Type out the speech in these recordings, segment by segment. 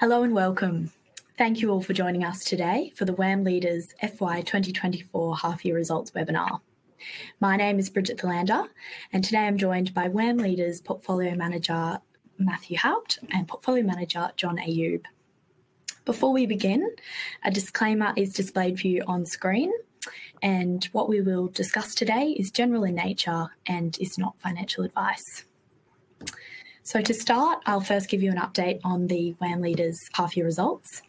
Hello and welcome. Thank you all for joining us today for the WAM Leaders FY 2024 Half Year Results Webinar. My name is Bridget Thelander, and today I'm joined by WAM Leaders Portfolio Manager Matthew Haupt and Portfolio Manager John Ayoub. Before we begin, a disclaimer is displayed for you on screen, and what we will discuss today is general in nature and is not financial advice. To start, I'll first give you an update on the WAM Leaders Half Year Results,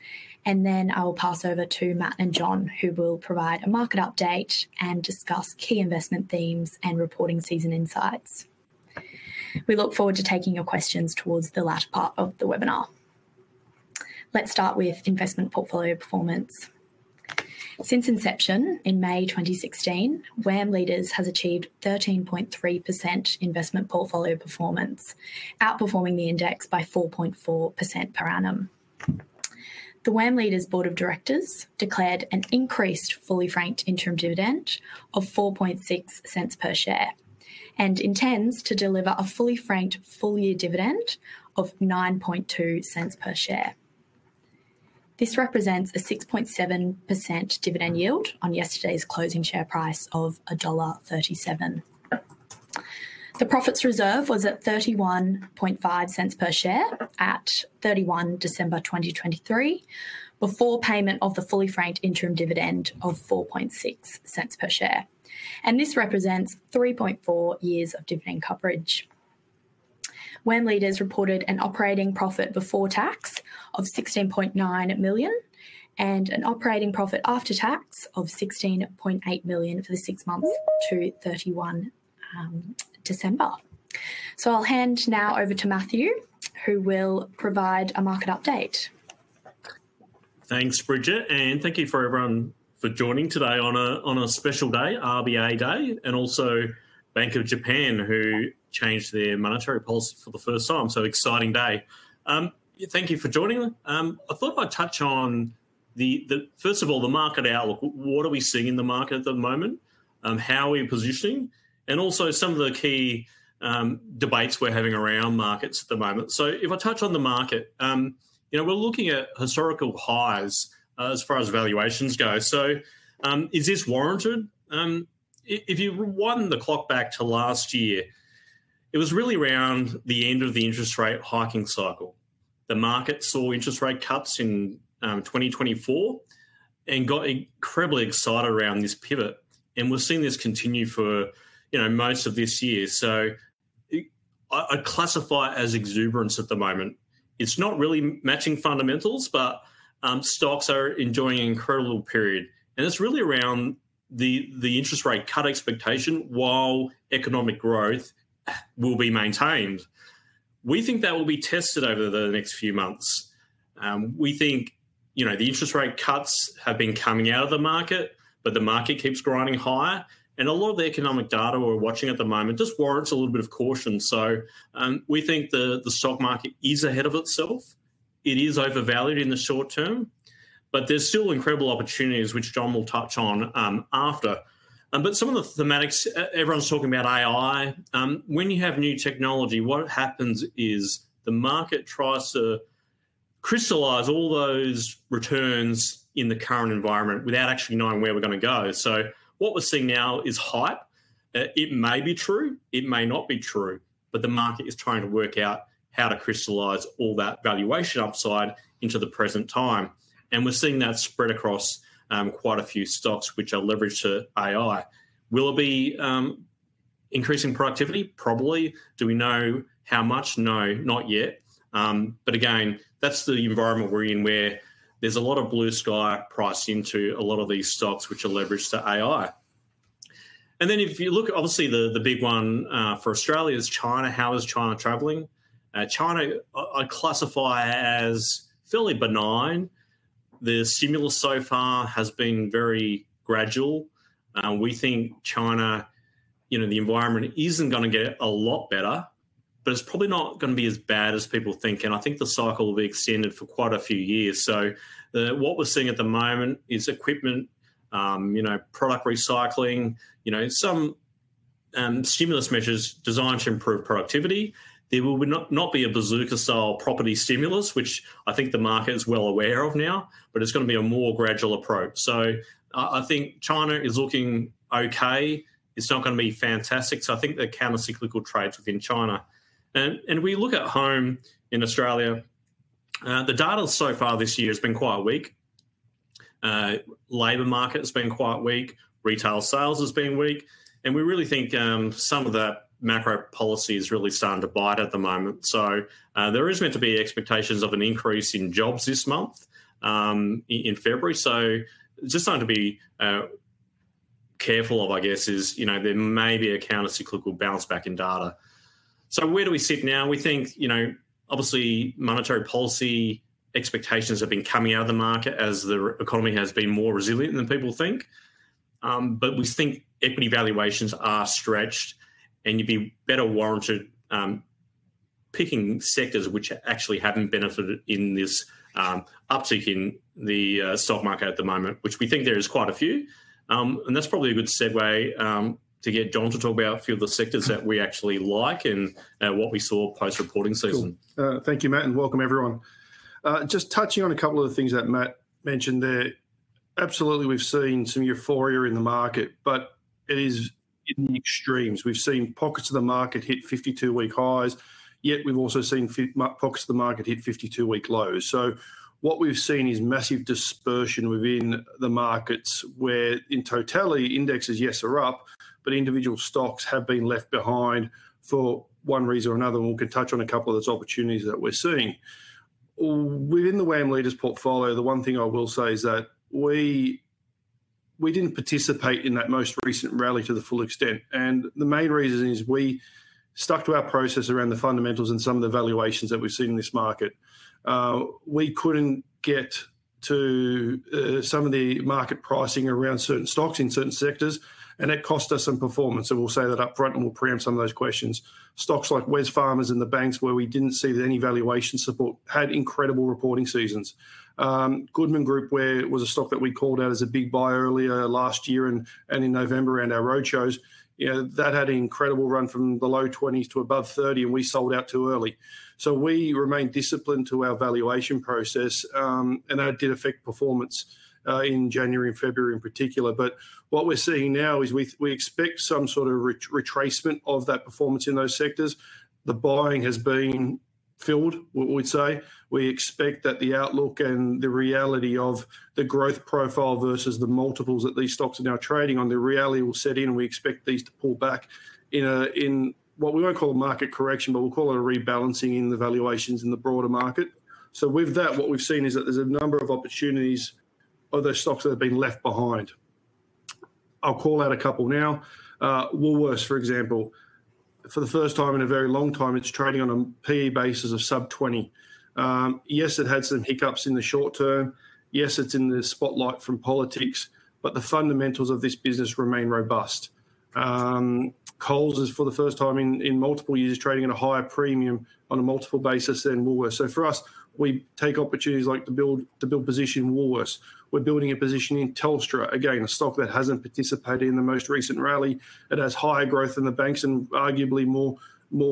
and then I will pass over to Matt and John, who will provide a market update and discuss key investment themes and reporting season insights. We look forward to taking your questions towards the latter part of the webinar. Let's start with investment portfolio performance. Since inception in May 2016, WAM Leaders has achieved 13.3% investment portfolio performance, outperforming the index by 4.4% per annum. The WAM Leaders Board of Directors declared an increased fully franked interim dividend of 0.046 per share and intends to deliver a fully franked full-year dividend of 0.092 per share. This represents a 6.7% dividend yield on yesterday's closing share price of dollar 1.37. The profits reserve was at 0.315 per share at 31 December 2023 before payment of the fully franked interim dividend of 0.046 per share, and this represents 3.4 years of dividend coverage. WAM Leaders reported an operating profit before tax of 16.9 million and an operating profit after tax of 16.8 million for the six months to 31 December. So I'll hand now over to Matthew, who will provide a market update. Thanks, Bridget, and thank you for everyone for joining today on a special day, RBA Day, and also Bank of Japan, who changed their monetary policy for the first time. So exciting day. Thank you for joining. I thought I'd touch on, first of all, the market outlook. What are we seeing in the market at the moment? How are we positioning? And also some of the key debates we're having around markets at the moment. So if I touch on the market, we're looking at historical highs as far as valuations go. So is this warranted? If you run the clock back to last year, it was really around the end of the interest rate hiking cycle. The market saw interest rate cuts in 2024 and got incredibly excited around this pivot, and we're seeing this continue for most of this year. I classify it as exuberance at the moment. It's not really matching fundamentals, but stocks are enjoying an incredible period, and it's really around the interest rate cut expectation while economic growth will be maintained. We think that will be tested over the next few months. We think the interest rate cuts have been coming out of the market, but the market keeps grinding higher, and a lot of the economic data we're watching at the moment just warrants a little bit of caution. We think the stock market is ahead of itself. It is overvalued in the short term, but there's still incredible opportunities, which John will touch on after. But some of the thematics everyone's talking about AI. When you have new technology, what happens is the market tries to crystallize all those returns in the current environment without actually knowing where we're going to go. So what we're seeing now is hype. It may be true. It may not be true, but the market is trying to work out how to crystallize all that valuation upside into the present time, and we're seeing that spread across quite a few stocks which are leveraged to AI. Will it be increasing productivity? Probably. Do we know how much? No, not yet. But again, that's the environment we're in where there's a lot of blue sky priced into a lot of these stocks which are leveraged to AI. And then if you look, obviously, the big one for Australia is China. How is China travelling? China I classify as fairly benign. The stimulus so far has been very gradual. We think China, the environment isn't going to get a lot better, but it's probably not going to be as bad as people think, and I think the cycle will be extended for quite a few years. So what we're seeing at the moment is equipment, product recycling, some stimulus measures designed to improve productivity. There will not be a bazooka-style property stimulus, which I think the market is well aware of now, but it's going to be a more gradual approach. So I think China is looking okay. It's not going to be fantastic. So I think there can be cyclical trades within China. And we look at home in Australia. The data so far this year has been quite weak. Labor market has been quite weak. Retail sales have been weak. And we really think some of that macro policy is really starting to bite at the moment. So there is meant to be expectations of an increase in jobs this month in February. So just something to be careful of, I guess, is there may be a countercyclical bounce back in data. So where do we sit now? We think, obviously, monetary policy expectations have been coming out of the market as the economy has been more resilient than people think, but we think equity valuations are stretched, and you'd be better warranted picking sectors which actually haven't benefited in this uptick in the stock market at the moment, which we think there are quite a few. And that's probably a good segue to get John to talk about a few of the sectors that we actually like and what we saw post-reporting season. Thank you, Matt. And welcome, everyone. Just touching on a couple of the things that Matt mentioned there. Absolutely, we've seen some euphoria in the market, but it is in the extremes. We've seen pockets of the market hit 52-week highs, yet we've also seen pockets of the market hit 52-week lows. So what we've seen is massive dispersion within the markets where, in totality, indexes, yes, are up, but individual stocks have been left behind for one reason or another. And we can touch on a couple of those opportunities that we're seeing. Within the WAM Leaders portfolio, the one thing I will say is that we didn't participate in that most recent rally to the full extent. And the main reason is we stuck to our process around the fundamentals and some of the valuations that we've seen in this market. We couldn't get to some of the market pricing around certain stocks in certain sectors, and it cost us some performance. We'll say that upfront and we'll preamp some of those questions. Stocks like Wesfarmers and the banks where we didn't see any valuation support had incredible reporting seasons. Goodman Group, where it was a stock that we called out as a big buy earlier last year and in November around our roadshows, that had an incredible run from the low 20s to above 30, and we sold out too early. We remained disciplined to our valuation process, and that did affect performance in January and February in particular. What we're seeing now is we expect some sort of retracement of that performance in those sectors. The buying has been filled, we'd say. We expect that the outlook and the reality of the growth profile versus the multiples that these stocks are now trading on, the reality will set in, and we expect these to pull back in what we won't call a market correction, but we'll call it a rebalancing in the valuations in the broader market. So with that, what we've seen is that there's a number of opportunities of those stocks that have been left behind. I'll call out a couple now. Woolworths, for example, for the first time in a very long time, it's trading on a P/E basis of sub-20. Yes, it had some hiccups in the short term. Yes, it's in the spotlight from politics, but the fundamentals of this business remain robust. Coles is, for the first time in multiple years, trading at a higher premium on a multiple basis than Woolworths. So for us, we take opportunities like to build position in Woolworths. We're building a position in Telstra, again, a stock that hasn't participated in the most recent rally. It has higher growth in the banks and arguably more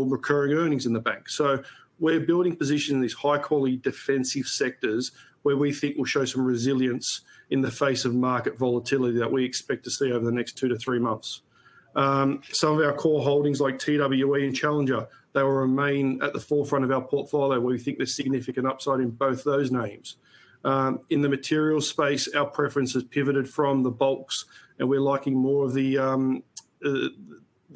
recurring earnings in the banks. So we're building positions in these high-quality defensive sectors where we think will show some resilience in the face of market volatility that we expect to see over the next 2-3 months. Some of our core holdings like TWE and Challenger, they will remain at the forefront of our portfolio where we think there's significant upside in both those names. In the materials space, our preference has pivoted from the bulks, and we're liking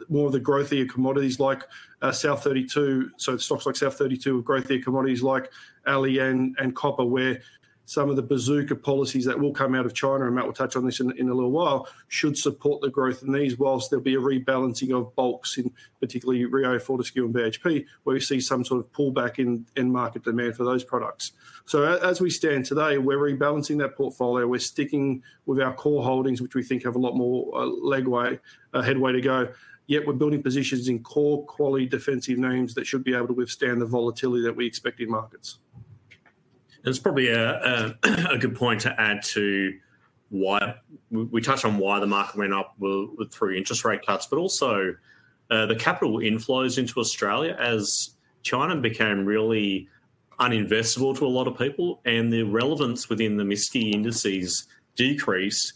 more of the growthier commodities like South32. So stocks like South32 with growthier commodities like alumina and copper, where some of the bazooka policies that will come out of China, and Matt will touch on this in a little while, should support the growth in these whilst there'll be a rebalancing of bulks, particularly RIO, Fortescue and BHP, where we see some sort of pullback in market demand for those products. So as we stand today, we're rebalancing that portfolio. We're sticking with our core holdings, which we think have a lot more headway to go, yet we're building positions in core-quality defensive names that should be able to withstand the volatility that we expect in markets. It's probably a good point to add to why we touched on why the market went up through interest rate cuts, but also the capital inflows into Australia as China became really uninvestable to a lot of people and the relevance within the MSCI indices decreased.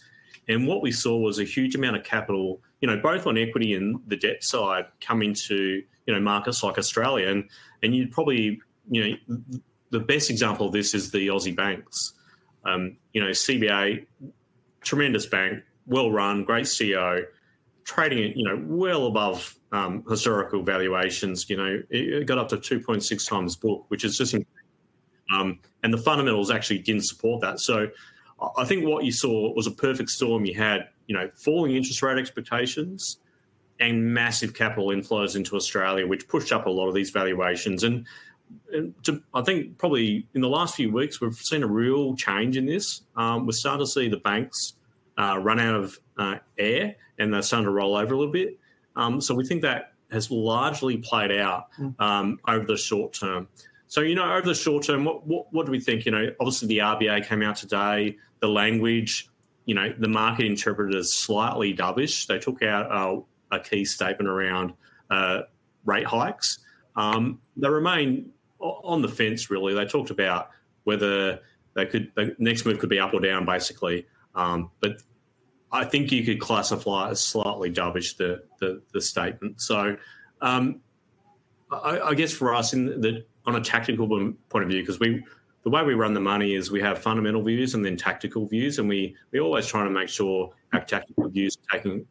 What we saw was a huge amount of capital both on equity and the debt side coming to markets like Australia. The best example of this is the Aussie banks. CBA, tremendous bank, well-run, great CEO, trading well above historical valuations. It got up to 2.6x book, which is just incredible. The fundamentals actually didn't support that. So I think what you saw was a perfect storm. You had falling interest rate expectations and massive capital inflows into Australia, which pushed up a lot of these valuations. I think probably in the last few weeks, we've seen a real change in this. We're starting to see the banks run out of air, and they're starting to roll over a little bit. So we think that has largely played out over the short term. So over the short term, what do we think? Obviously, the RBA came out today. The language, the market interpreted as slightly dovish. They took out a key statement around rate hikes. They remain on the fence, really. They talked about whether the next move could be up or down, basically. But I think you could classify as slightly dovish the statement. So I guess for us, on a tactical point of view, because the way we run the money is we have fundamental views and then tactical views, and we always try to make sure our tactical views are taking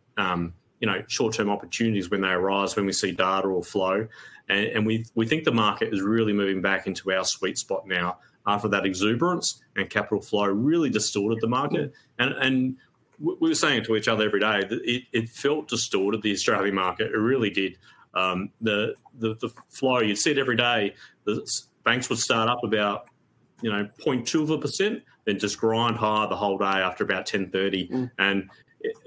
short-term opportunities when they arise, when we see data or flow. And we think the market is really moving back into our sweet spot now after that exuberance and capital flow really distorted the market. And we were saying to each other every day that it felt distorted, the Australian market. It really did. The flow you'd see it every day, the banks would start up about 0.2%, then just grind high the whole day after about 10:30 am. And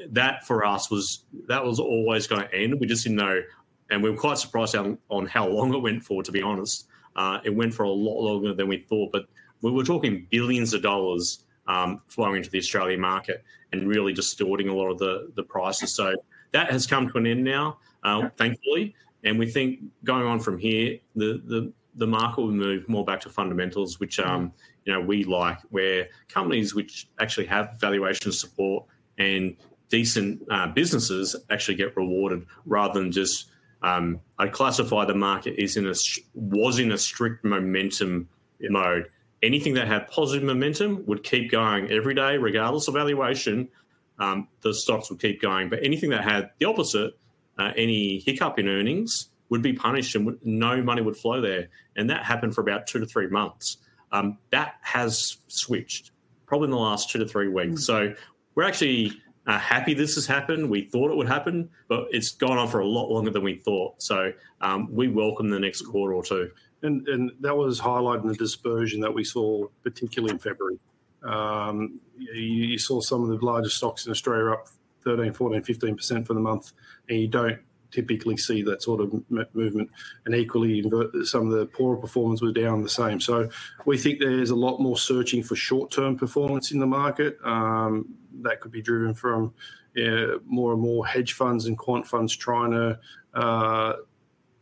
that, for us, was always going to end. We just didn't know. And we were quite surprised on how long it went for, to be honest. It went for a lot longer than we thought. We were talking billions of AUD flowing into the Australian market and really distorting a lot of the prices. That has come to an end now, thankfully. We think going on from here, the market will move more back to fundamentals, which we like, where companies which actually have valuation support and decent businesses actually get rewarded rather than just I classify the market was in a strict momentum mode. Anything that had positive momentum would keep going every day regardless of valuation. The stocks would keep going. Anything that had the opposite, any hiccup in earnings, would be punished, and no money would flow there. That happened for about 2-3 months. That has switched probably in the last 2-3 weeks. We're actually happy this has happened. We thought it would happen, but it's gone on for a lot longer than we thought. So we welcome the next quarter or two. That was highlighted in the dispersion that we saw, particularly in February. You saw some of the largest stocks in Australia up 13%, 14%, 15% for the month. You don't typically see that sort of movement. Equally, some of the poorer performance was down the same. We think there's a lot more searching for short-term performance in the market. That could be driven from more and more hedge funds and quant funds trying to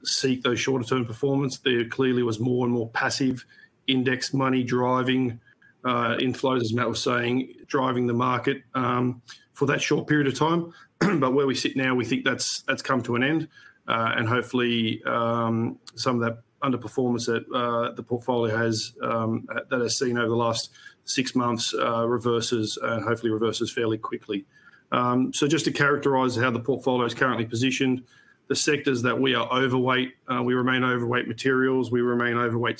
seek those shorter-term performance. There clearly was more and more passive index money driving inflows, as Matt was saying. Driving the market for that short period of time. Where we sit now, we think that's come to an end. Hopefully, some of that underperformance that the portfolio has that I've seen over the last six months reverses and hopefully reverses fairly quickly. So, just to characterize how the portfolio is currently positioned, the sectors that we are overweight, we remain overweight materials. We remain overweight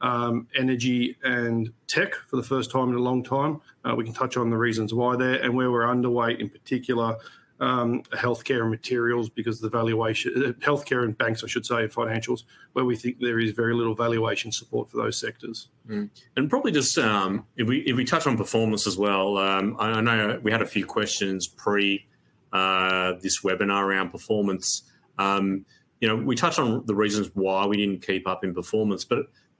staples, energy and tech for the first time in a long time. We can touch on the reasons why there and where we're underweight, in particular, healthcare and materials because of the valuation healthcare and banks, I should say, and financials, where we think there is very little valuation support for those sectors. Probably just if we touch on performance as well, I know we had a few questions pre this webinar around performance. We touched on the reasons why we didn't keep up in performance.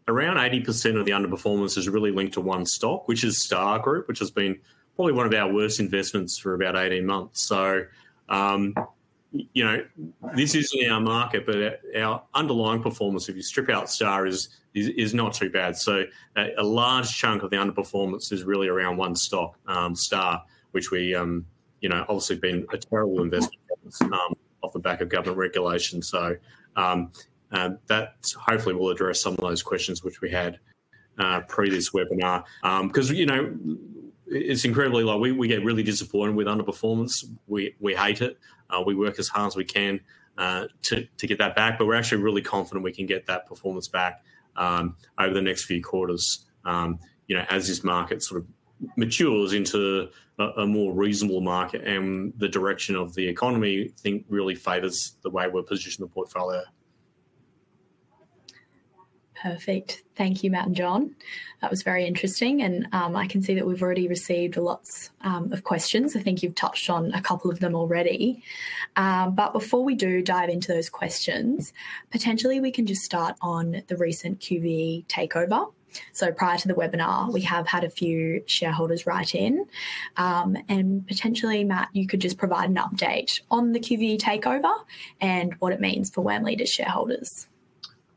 Around 80% of the underperformance is really linked to one stock, which is Star Group, which has been probably one of our worst investments for about 18 months. This isn't our market, but our underlying performance, if you strip out Star, is not too bad. A large chunk of the underperformance is really around one stock, Star, which we obviously have been a terrible investment off the back of government regulation. That hopefully will address some of those questions which we had pre this webinar. Because it's incredibly low. We get really disappointed with underperformance. We hate it. We work as hard as we can to get that back. But we're actually really confident we can get that performance back over the next few quarters as this market sort of matures into a more reasonable market. And the direction of the economy, I think, really favors the way we're positioning the portfolio. Perfect. Thank you, Matt and John. That was very interesting. I can see that we've already received lots of questions. I think you've touched on a couple of them already. Before we do dive into those questions, potentially, we can just start on the recent QVE takeover. Prior to the webinar, we have had a few shareholders write in. Potentially, Matt, you could just provide an update on the QVE takeover and what it means for WAM Leaders shareholders.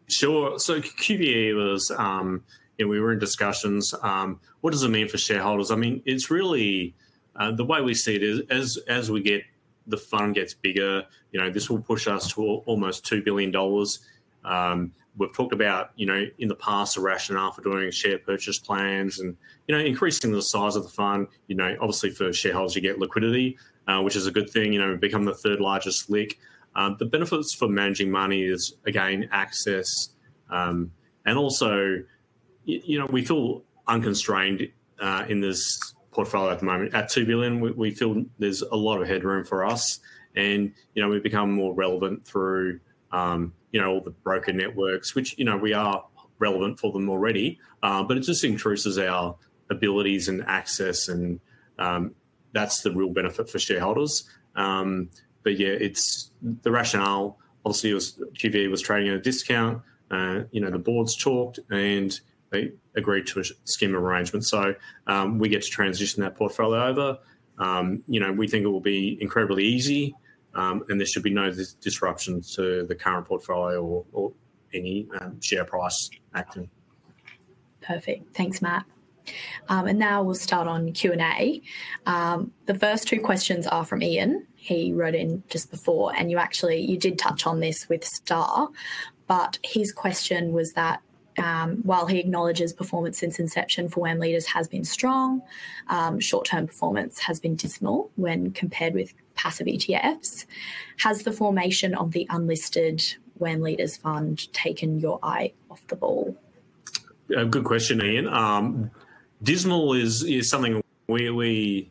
Sure. So QVE was we were in discussions. What does it mean for shareholders? I mean, it's really the way we see it is as we get the fund gets bigger, this will push us to almost 2 billion dollars. We've talked about in the past a rationale for doing share purchase plans and increasing the size of the fund. Obviously, for shareholders, you get liquidity, which is a good thing. We've become the third largest LIC. The benefits for managing money is, again, access. And also, we feel unconstrained in this portfolio at the moment. At 2 billion, we feel there's a lot of headroom for us. And we've become more relevant through all the broker networks, which we are relevant for them already. But it just intrudes our abilities and access. And that's the real benefit for shareholders. But yeah, the rationale, obviously, was QVE was trading at a discount. The boards talked, and they agreed to a scheme of arrangement. So we get to transition that portfolio over. We think it will be incredibly easy, and there should be no disruptions to the current portfolio or any share price action. Perfect. Thanks, Matt. And now we'll start on Q&A. The first two questions are from Ian. He wrote in just before. And you did touch on this with Star. But his question was that while he acknowledges performance since inception for WAM Leaders has been strong, short-term performance has been dismal when compared with passive ETFs. Has the formation of the unlisted WAM Leaders fund taken your eye off the ball? Good question, Ian. Dismal is something we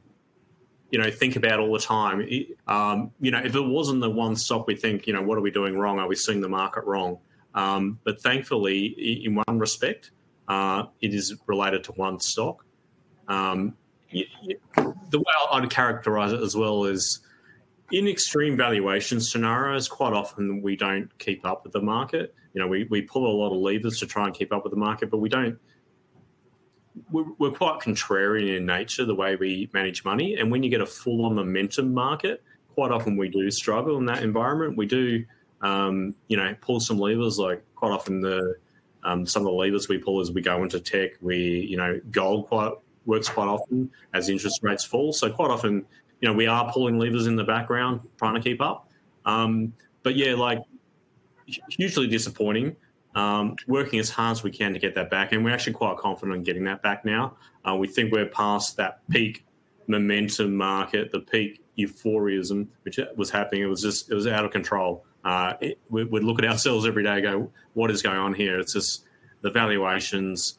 think about all the time. If it wasn't the one stock we think, what are we doing wrong? Are we seeing the market wrong? But thankfully, in one respect, it is related to one stock. The way I'd characterize it as well is in extreme valuation scenarios, quite often we don't keep up with the market. We pull a lot of levers to try and keep up with the market. But we're quite contrarian in nature, the way we manage money. And when you get a full-on momentum market, quite often we do struggle in that environment. We do pull some levers. Quite often, some of the levers we pull is we go into tech. Gold works quite often as interest rates fall. So quite often, we are pulling levers in the background trying to keep up. But yeah, hugely disappointing, working as hard as we can to get that back. And we're actually quite confident in getting that back now. We think we're past that peak momentum market, the peak euphoria which was happening. It was out of control. We look at ourselves every day and go, what is going on here? It's just the valuations.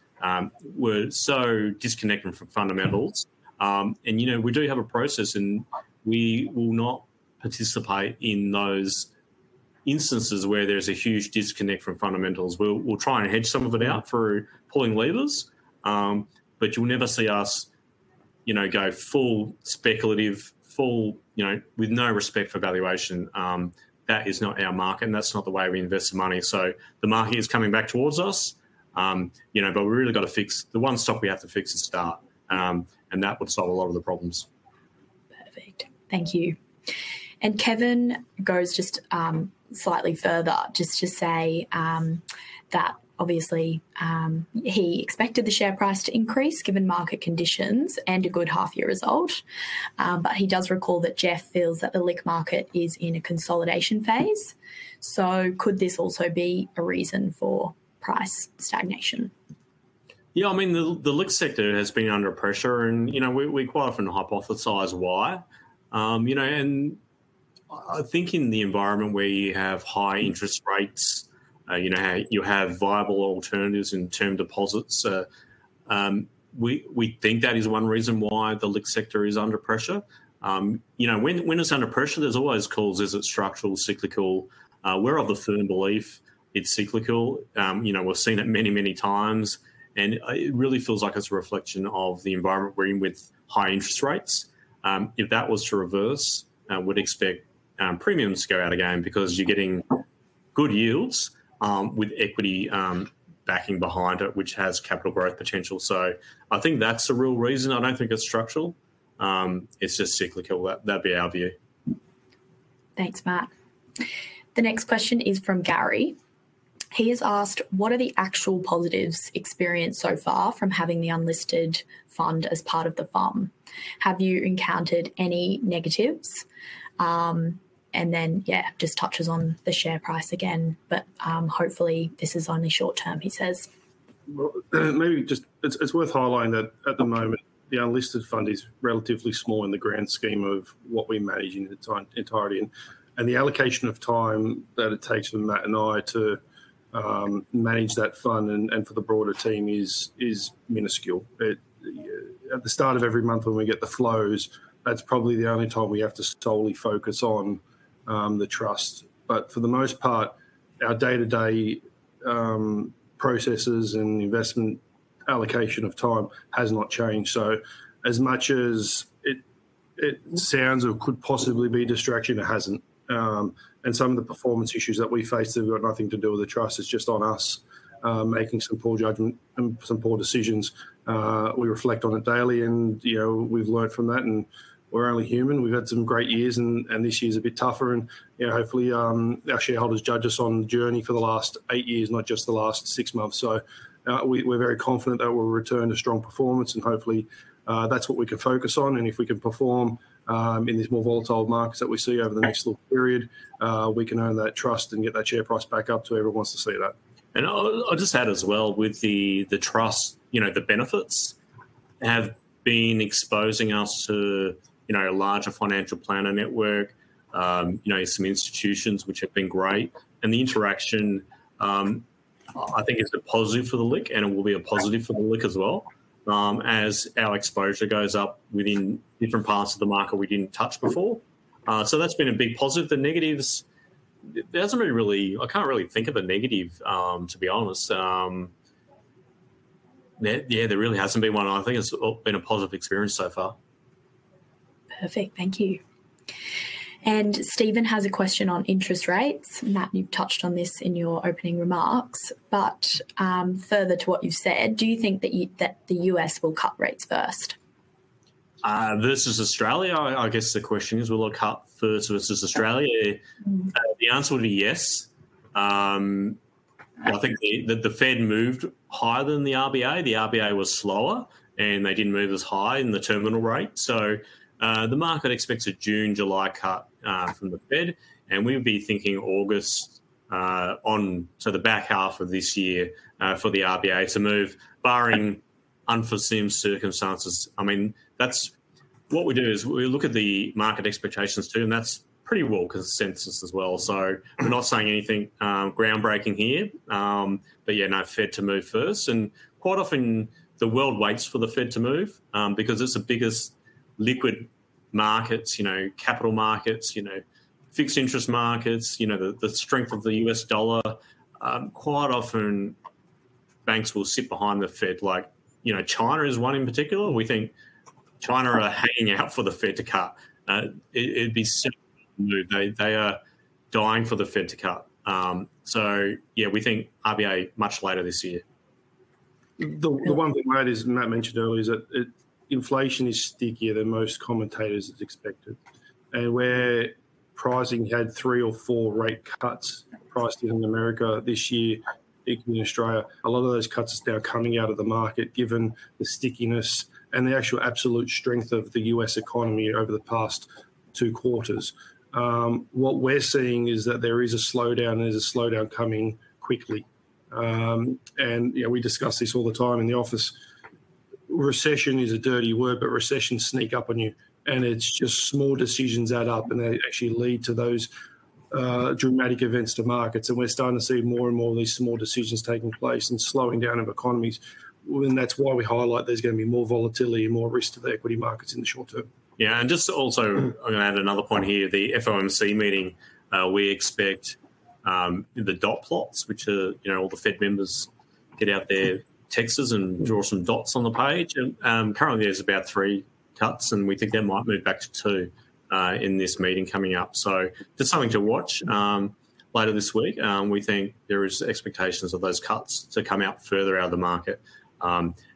We're so disconnected from fundamentals. And we do have a process. And we will not participate in those instances where there's a huge disconnect from fundamentals. We'll try and hedge some of it out through pulling levers. But you'll never see us go full speculative, with no respect for valuation. That is not our market. And that's not the way we invest our money. So the market is coming back towards us. But we've really got to fix the one stock we have to fix is Star. That would solve a lot of the problems. Perfect. Thank you. And Kevin goes just slightly further just to say that obviously, he expected the share price to increase given market conditions and a good half-year result. But he does recall that Geoff feels that the LIC market is in a consolidation phase. So could this also be a reason for price stagnation? Yeah. I mean, the LIC sector has been under pressure. And we quite often hypothesize why. And I think in the environment where you have high interest rates, you have viable alternatives in term deposits. We think that is one reason why the LIC sector is under pressure. When it's under pressure, there's always calls. Is it structural, cyclical? We're of the firm belief it's cyclical. We've seen it many, many times. And it really feels like it's a reflection of the environment we're in with high interest rates. If that was to reverse, I would expect premiums to go out again because you're getting good yields with equity backing behind it, which has capital growth potential. So I think that's a real reason. I don't think it's structural. It's just cyclical. That'd be our view. Thanks, Matt. The next question is from Gary. He has asked, what are the actual positives experienced so far from having the unlisted fund as part of the firm? Have you encountered any negatives? And then, yeah, just touches on the share price again. But hopefully, this is only short-term, he says. Maybe it's worth highlighting that at the moment, the unlisted fund is relatively small in the grand scheme of what we manage in its entirety. And the allocation of time that it takes for Matt and I to manage that fund and for the broader team is minuscule. At the start of every month when we get the flows, that's probably the only time we have to solely focus on the trust. But for the most part, our day-to-day processes and investment allocation of time has not changed. So as much as it sounds or could possibly be distraction, it hasn't. And some of the performance issues that we face that have got nothing to do with the trust is just on us making some poor judgment and some poor decisions. We reflect on it daily. And we've learned from that. And we're only human. We've had some great years. This year's a bit tougher. Hopefully, our shareholders judge us on the journey for the last eight years, not just the last six months. We're very confident that we'll return to strong performance. Hopefully, that's what we can focus on. If we can perform in these more volatile markets that we see over the next little period, we can earn that trust and get that share price back up to whoever wants to see that. And I'll just add as well, with the trust, the benefits have been exposing us to a larger financial planner network, some institutions which have been great. And the interaction, I think, is a positive for the LIC. And it will be a positive for the LIC as well as our exposure goes up within different parts of the market we didn't touch before. So that's been a big positive. The negatives, there hasn't been really I can't really think of a negative, to be honest. Yeah, there really hasn't been one. I think it's been a positive experience so far. Perfect. Thank you. Stephen has a question on interest rates. Matt, you've touched on this in your opening remarks. Further to what you've said, do you think that the U.S. will cut rates first? Versus Australia, I guess the question is, will it cut first versus Australia? The answer would be yes. I think that the Fed moved higher than the RBA. The RBA was slower. And they didn't move as high in the terminal rate. So the market expects a June, July cut from the Fed. And we would be thinking August onto the back half of this year for the RBA to move, barring unforeseen circumstances. I mean, what we do is we look at the market expectations, too. And that's pretty well-consensus as well. So we're not saying anything groundbreaking here. But yeah, no, Fed to move first. And quite often, the world waits for the Fed to move because it's the biggest liquid markets, capital markets, fixed interest markets, the strength of the U.S. dollar. Quite often, banks will sit behind the Fed. Like China is one in particular. We think China are hanging out for the Fed to cut. It'd be soon to move. They are dying for the Fed to cut. So yeah, we think RBA much later this year. The one thing Matt mentioned earlier is that inflation is stickier than most commentators expected. Where pricing had 3 or 4 rate cuts priced in America this year, including Australia, a lot of those cuts are now coming out of the market given the stickiness and the actual absolute strength of the U.S. economy over the past 2 quarters. What we're seeing is that there is a slowdown. There's a slowdown coming quickly. We discuss this all the time in the office. Recession is a dirty word. But recessions sneak up on you. It's just small decisions add up. They actually lead to those dramatic events to markets. We're starting to see more and more of these small decisions taking place and slowing down of economies. That's why we highlight there's going to be more volatility and more risk to the equity markets in the short term. Yeah. And just also, I'm going to add another point here, the FOMC meeting. We expect the dot plots, which are all the Fed members, get out their texts and draw some dots on the page. And currently, there's about 3 cuts. And we think they might move back to 2 in this meeting coming up. So just something to watch later this week. We think there are expectations of those cuts to come out further out of the market.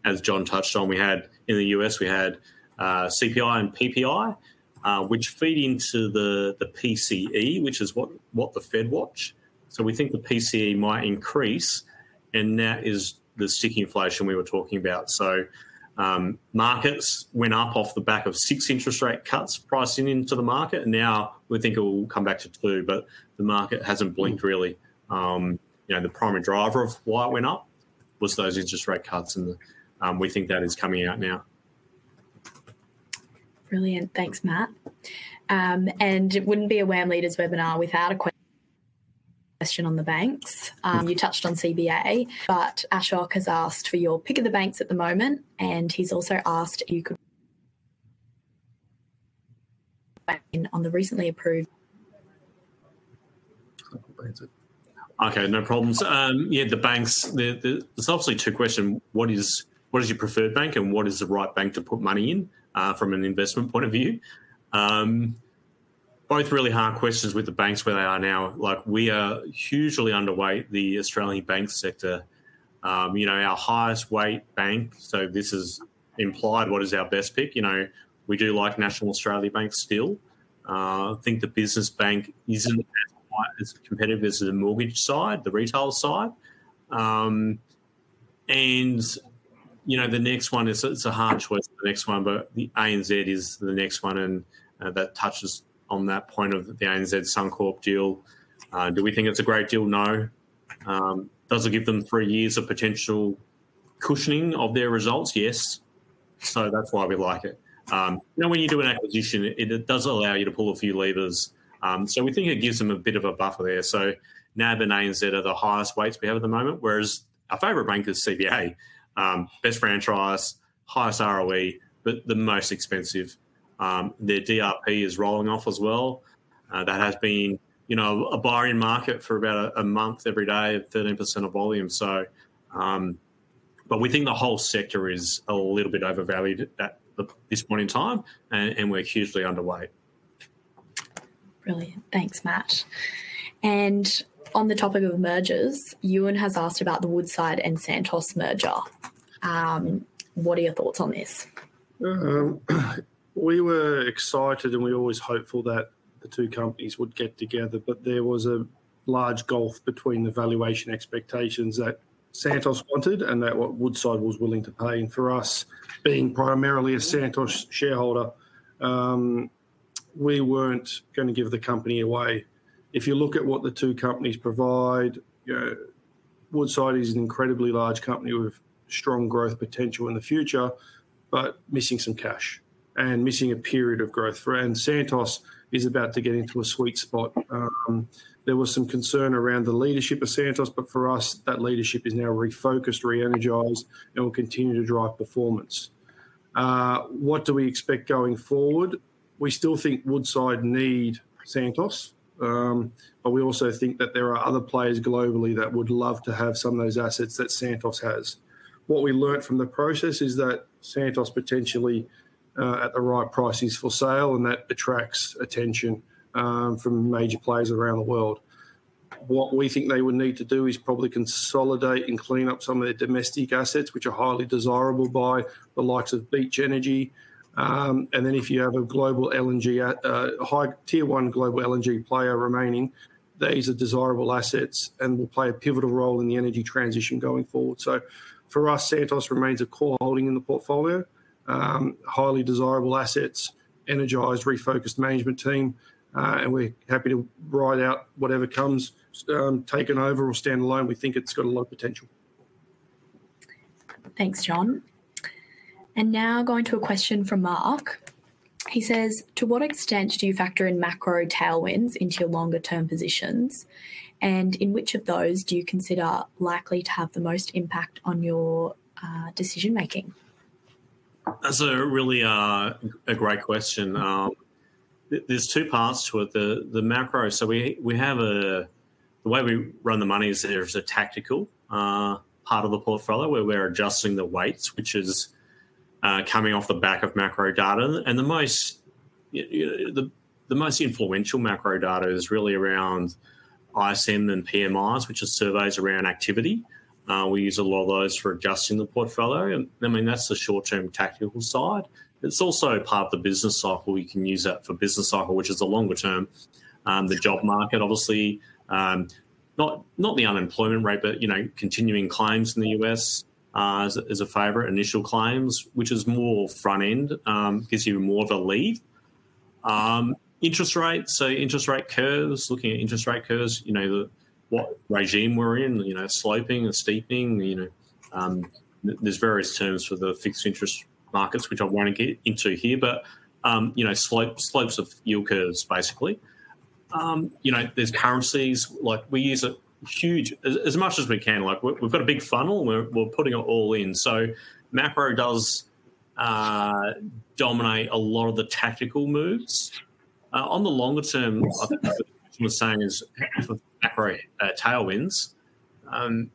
As John touched on, in the US, we had CPI and PPI, which feed into the PCE, which is what the Fed watched. So we think the PCE might increase. And that is the sticky inflation we were talking about. So markets went up off the back of 6 interest rate cuts pricing into the market. And now, we think it will come back to 2. But the market hasn't blinked, really. The primary driver of why it went up was those interest rate cuts. And we think that is coming out now. Brilliant. Thanks, Matt. It wouldn't be a WAM Leaders webinar without a question on the banks. You touched on CBA. Ashok has asked for your pick of the banks at the moment. He's also asked if you could comment on the recently approved. OK, no problems. Yeah, there's obviously two questions. What is your preferred bank? And what is the right bank to put money in from an investment point of view? Both really hard questions with the banks where they are now. We are hugely underweight the Australian bank sector, our highest weight bank. So this has implied what is our best pick. We do like National Australia Bank still. I think the business bank isn't as competitive as the mortgage side, the retail side. And the next one is it's a hard choice, the next one. But the ANZ is the next one. And that touches on that point of the ANZ Suncorp deal. Do we think it's a great deal? No. Does it give them three years of potential cushioning of their results? Yes. So that's why we like it. Now, when you do an acquisition, it does allow you to pull a few levers. So we think it gives them a bit of a buffer there. So now, the ANZ are the highest weights we have at the moment, whereas our favorite bank is CBA, best franchise, highest ROE, but the most expensive. Their DRP is rolling off as well. That has been a buy-in market for about a month every day of 13% of volume. But we think the whole sector is a little bit overvalued at this point in time. We're hugely underweight. Brilliant. Thanks, Matt. On the topic of mergers, Ewan has asked about the Woodside and Santos merger. What are your thoughts on this? We were excited. We were always hopeful that the two companies would get together. But there was a large gulf between the valuation expectations that Santos wanted and that Woodside was willing to pay. For us, being primarily a Santos shareholder, we weren't going to give the company away. If you look at what the two companies provide, Woodside is an incredibly large company with strong growth potential in the future but missing some cash and missing a period of growth. Santos is about to get into a sweet spot. There was some concern around the leadership of Santos. For us, that leadership is now refocused, re-energized, and will continue to drive performance. What do we expect going forward? We still think Woodside needs Santos. But we also think that there are other players globally that would love to have some of those assets that Santos has. What we learned from the process is that Santos potentially is at the right prices for sale. And that attracts attention from major players around the world. What we think they would need to do is probably consolidate and clean up some of their domestic assets, which are highly desirable by the likes of Beach Energy. And then, if you have a high Tier 1 global LNG player remaining, these are desirable assets and will play a pivotal role in the energy transition going forward. So for us, Santos remains a core holding in the portfolio, highly desirable assets, energized, refocused management team. And we're happy to ride out whatever comes, takeover, or stand alone. We think it's got a lot of potential. Thanks, John. Now, going to a question from Mark. He says, to what extent do you factor in macro tailwinds into your longer-term positions? In which of those do you consider likely to have the most impact on your decision-making? That's really a great question. There's two parts to it. The macro, so the way we run the money is there's a tactical part of the portfolio where we're adjusting the weights, which is coming off the back of macro data. And the most influential macro data is really around ISM and PMIs, which are surveys around activity. We use a lot of those for adjusting the portfolio. And I mean, that's the short-term tactical side. It's also part of the business cycle. We can use that for business cycle, which is the longer term, the job market, obviously, not the unemployment rate, but continuing claims in the U.S. as a favorite, initial claims, which is more front-end, gives you more of a lead. Interest rates, so interest rate curves, looking at interest rate curves, what regime we're in, sloping or steepening. There's various terms for the fixed interest markets, which I won't get into here, but slopes of yield curves, basically. There's currencies. We use it huge as much as we can. We've got a big funnel. We're putting it all in. So macro does dominate a lot of the tactical moves. On the longer term, I think what Stephen was saying is macro tailwinds.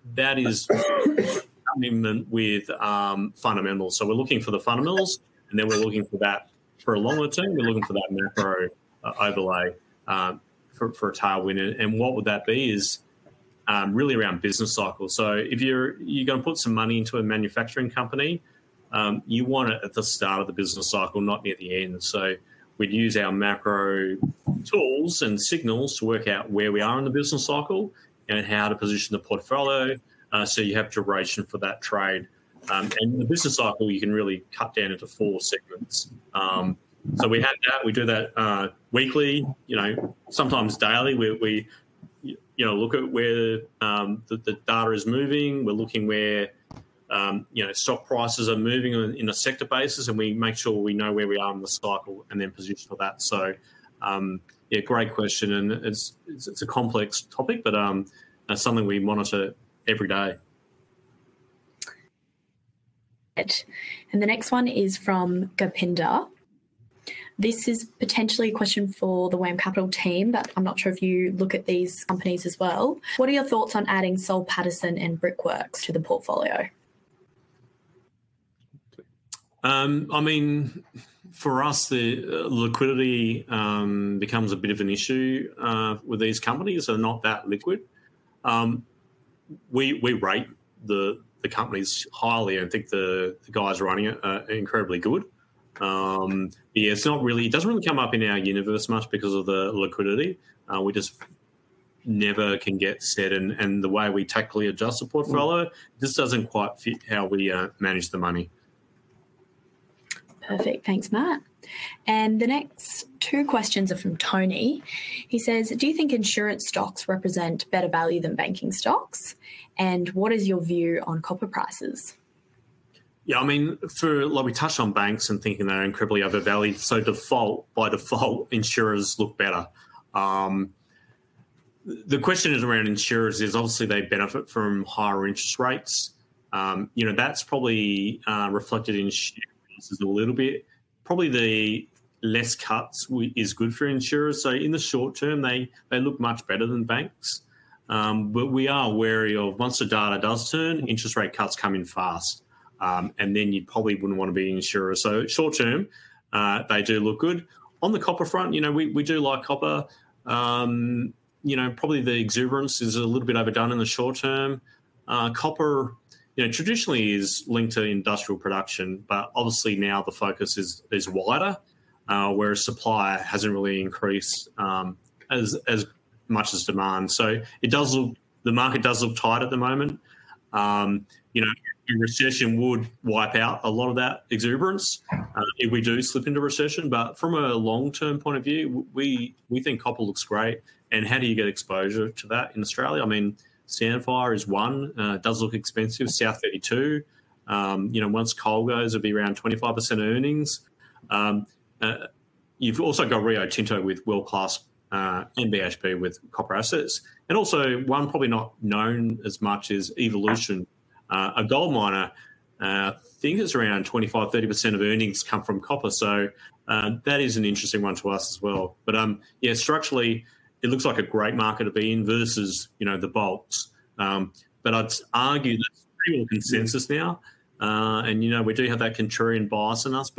That is in alignment with fundamentals. So we're looking for the fundamentals. And then, we're looking for that for a longer term. We're looking for that macro overlay for a tailwind. And what would that be is really around business cycle. So if you're going to put some money into a manufacturing company, you want it at the start of the business cycle, not near the end. So we'd use our macro tools and signals to work out where we are in the business cycle and how to position the portfolio. So you have duration for that trade. And in the business cycle, you can really cut down into four segments. So we have that. We do that weekly, sometimes daily. We look at where the data is moving. We're looking where stock prices are moving in a sector basis. And we make sure we know where we are in the cycle and then position for that. So yeah, great question. And it's a complex topic, but something we monitor every day. The next one is from Govinda. This is potentially a question for the WAM Capital team. But I'm not sure if you look at these companies as well. What are your thoughts on adding Washington H. Soul Pattinson and Brickworks to the portfolio? I mean, for us, the liquidity becomes a bit of an issue with these companies. They're not that liquid. We rate the companies highly. I think the guys running it are incredibly good. Yeah, it doesn't really come up in our universe much because of the liquidity. We just never can get set. The way we tactically adjust the portfolio, this doesn't quite fit how we manage the money. Perfect. Thanks, Matt. And the next two questions are from Tony. He says, do you think insurance stocks represent better value than banking stocks? And what is your view on copper prices? Yeah, I mean, we touched on banks and thinking they're incredibly overvalued. So by default, insurers look better. The question is around insurers. Obviously, they benefit from higher interest rates. That's probably reflected in insurance a little bit. Probably the less cuts is good for insurers. So in the short term, they look much better than banks. But we are wary of once the data does turn, interest rate cuts come in fast. And then, you probably wouldn't want to be an insurer. So short term, they do look good. On the copper front, we do like copper. Probably the exuberance is a little bit overdone in the short term. Copper traditionally is linked to industrial production. But obviously, now, the focus is wider, whereas supply hasn't really increased as much as demand. So the market does look tight at the moment. A recession would wipe out a lot of that exuberance if we do slip into recession. But from a long-term point of view, we think copper looks great. And how do you get exposure to that in Australia? I mean, Sandfire is one. It does look expensive. South32, once coal goes, it'll be around 25% earnings. You've also got Rio Tinto with world-class BHP with copper assets. And also, one probably not known as much is Evolution, a gold miner. I think it's around 25%-30% of earnings come from copper. So that is an interesting one to us as well. But yeah, structurally, it looks like a great market to be in versus the bulks. But I'd argue that's pretty well consensus now. And we do have that contrarian bias in us.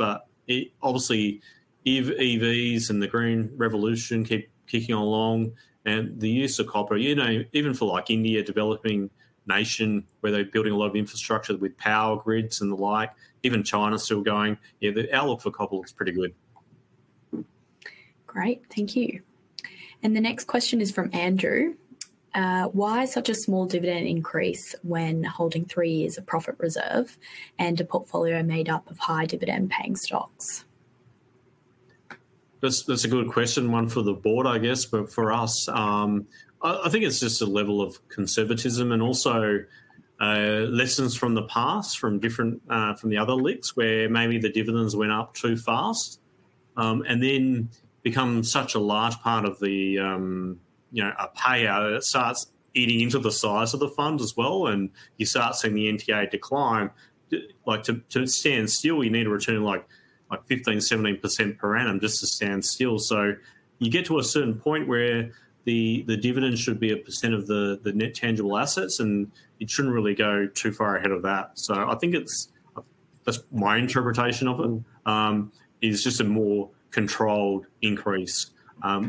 Obviously, if EVs and the Green Revolution keep kicking along and the use of copper, even for like India developing nation where they're building a lot of infrastructure with power grids and the like, even China's still going, our look for copper looks pretty good. Great. Thank you. And the next question is from Andrew. Why such a small dividend increase when holding three years of profit reserve and a portfolio made up of high dividend-paying stocks? That's a good question, one for the board, I guess, but for us, I think it's just a level of conservatism and also lessons from the past from the other LICs where maybe the dividends went up too fast and then become such a large part of a payout. It starts eating into the size of the fund as well. You start seeing the NTA decline. To stand still, you need a return like 15%, 17% per annum just to stand still. You get to a certain point where the dividend should be a percent of the net tangible assets. It shouldn't really go too far ahead of that. I think that's my interpretation of it, is just a more controlled increase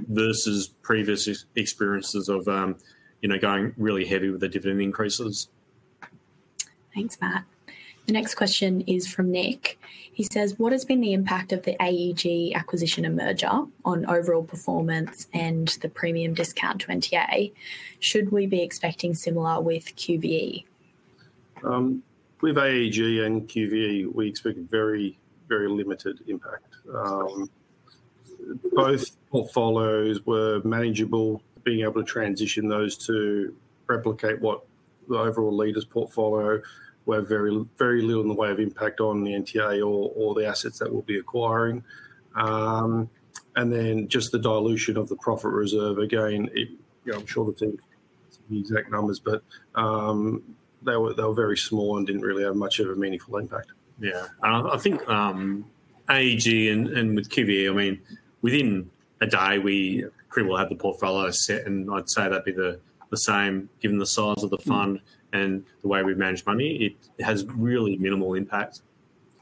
versus previous experiences of going really heavy with the dividend increases. Thanks, Matt. The next question is from Nick. He says, what has been the impact of the AEG acquisition and merger on overall performance and the premium discount to NTA? Should we be expecting similar with QVE? With AEG and QVE, we expect a very, very limited impact. Both portfolios were manageable. Being able to transition those to replicate what the overall Leaders' portfolio were very little in the way of impact on the NTA or the assets that we'll be acquiring. And then, just the dilution of the profit reserve, again, I'm sure the team can give you exact numbers. But they were very small and didn't really have much of a meaningful impact. Yeah, I think AEG and with QVE, I mean, within a day, we pretty well have the portfolio set. And I'd say that'd be the same, given the size of the fund and the way we manage money. It has really minimal impact.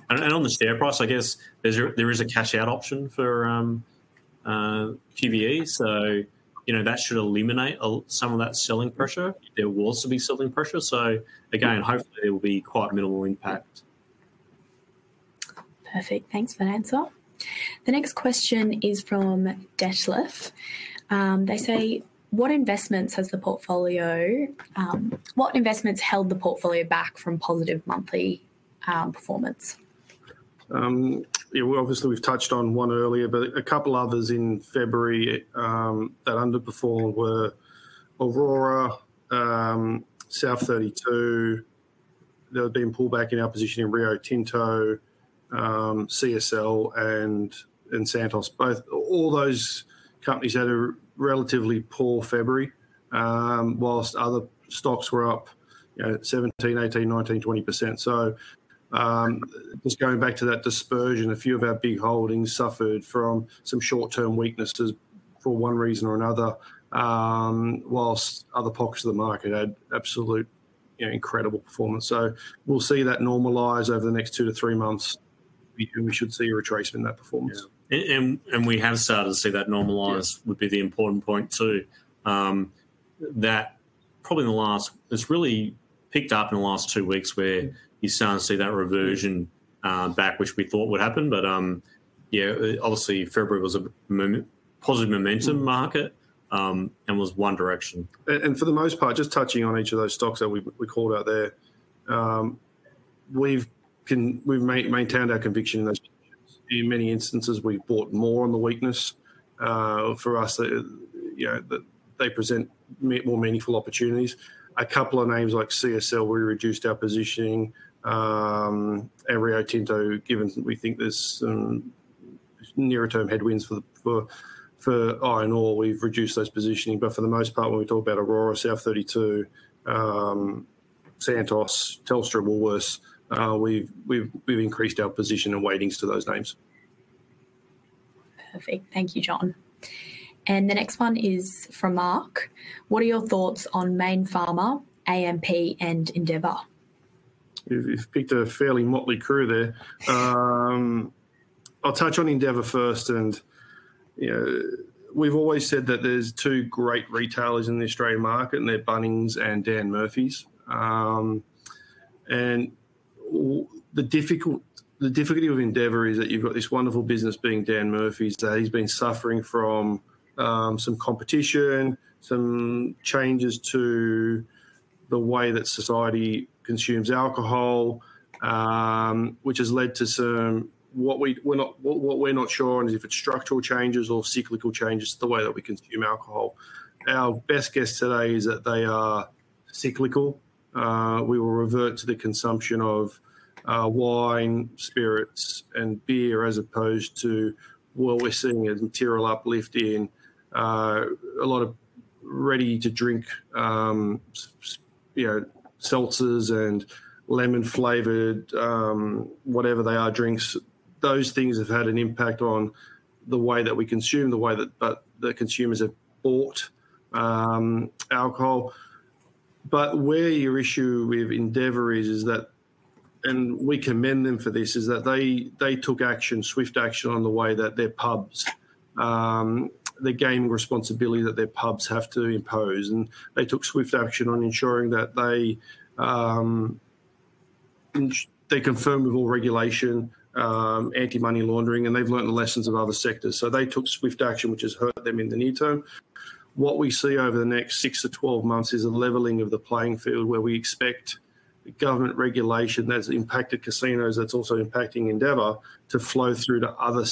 And on the share price, I guess there is a cash-out option for QVE. So that should eliminate some of that selling pressure. There was to be selling pressure. So again, hopefully, there will be quite minimal impact. Perfect. Thanks for the answer. The next question is from Detlef. They say, what investments held the portfolio back from positive monthly performance? Yeah, obviously, we've touched on one earlier. But a couple others in February that underperformed were Orora, South32. There had been pullback in our position in Rio Tinto, CSL, and Santos, both all those companies had a relatively poor February whilst other stocks were up 17%, 18%, 19%, 20%. So just going back to that dispersion, a few of our big holdings suffered from some short-term weaknesses for one reason or another whilst other pockets of the market had absolute incredible performance. So we'll see that normalize over the next two to three months. We should see a retracement in that performance. And we have started to see that normalize would be the important point too. That probably in the last it's really picked up in the last two weeks where you start to see that reversion back, which we thought would happen. But yeah, obviously, February was a positive momentum market and was one direction. For the most part, just touching on each of those stocks that we called out there, we've maintained our conviction in those positions. In many instances, we've bought more on the weakness for us that they present more meaningful opportunities. A couple of names like CSL, we reduced our positioning. Rio Tinto, given we think there's some near-term headwinds for iron ore, we've reduced those positioning. But for the most part, when we talk about Orora, South32, Santos, Telstra, Woolworths, we've increased our position and weightings to those names. Perfect. Thank you, John. And the next one is from Mark. What are your thoughts on Mayne Pharma, AMP, and Endeavour? You've picked a fairly motley crew there. I'll touch on Endeavour first. We've always said that there's two great retailers in the Australian market. They're Bunnings and Dan Murphy's. The difficulty with Endeavour is that you've got this wonderful business being Dan Murphy's. He's been suffering from some competition, some changes to the way that society consumes alcohol, which has led to some, what we're not sure on is if it's structural changes or cyclical changes, the way that we consume alcohol. Our best guess today is that they are cyclical. We will revert to the consumption of wine, spirits, and beer as opposed to what we're seeing as material uplift in a lot of ready-to-drink seltzers and lemon-flavored, whatever they are, drinks. Those things have had an impact on the way that we consume, the way that consumers have bought alcohol. But where your issue with Endeavour is, and we commend them for this, is that they took action, swift action, on the way that their pubs they gained responsibility that their pubs have to impose. And they took swift action on ensuring that they confirmed with all regulation anti-money laundering. And they've learned the lessons of other sectors. So they took swift action, which has hurt them in the near term. What we see over the next 6-12 months is a leveling of the playing field where we expect government regulation that's impacted casinos that's also impacting Endeavour to flow through to other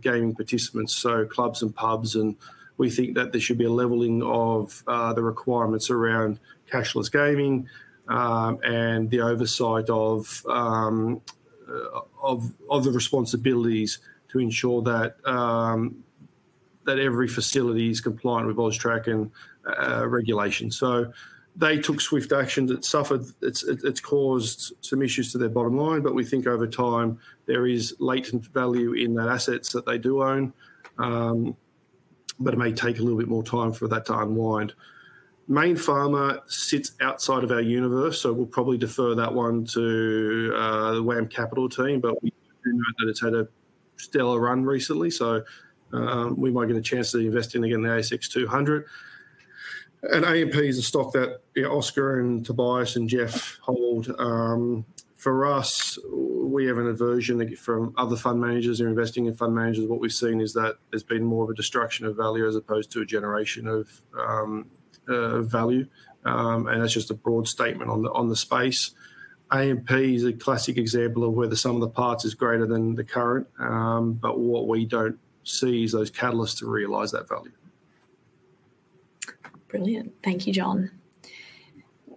gaming participants, so clubs and pubs. And we think that there should be a leveling of the requirements around cashless gaming and the oversight of the responsibilities to ensure that every facility is compliant with patron-tracking regulation. So they took swift action. It's caused some issues to their bottom line. But we think over time, there is latent value in the assets that they do own. But it may take a little bit more time for that to unwind. Mayne Pharma sits outside of our universe. So we'll probably defer that one to the WAM Capital team. But we do know that it's had a stellar run recently. So we might get a chance to invest in again the ASX 200. And AMP is a stock that Oscar and Tobias and Geoff hold. For us, we have an aversion from other fund managers who are investing in fund managers. What we've seen is that there's been more of a destruction of value as opposed to a generation of value. And that's just a broad statement on the space. AMP is a classic example of whether the sum of the parts are greater than the current. But what we don't see is those catalysts to realize that value. Brilliant. Thank you, John.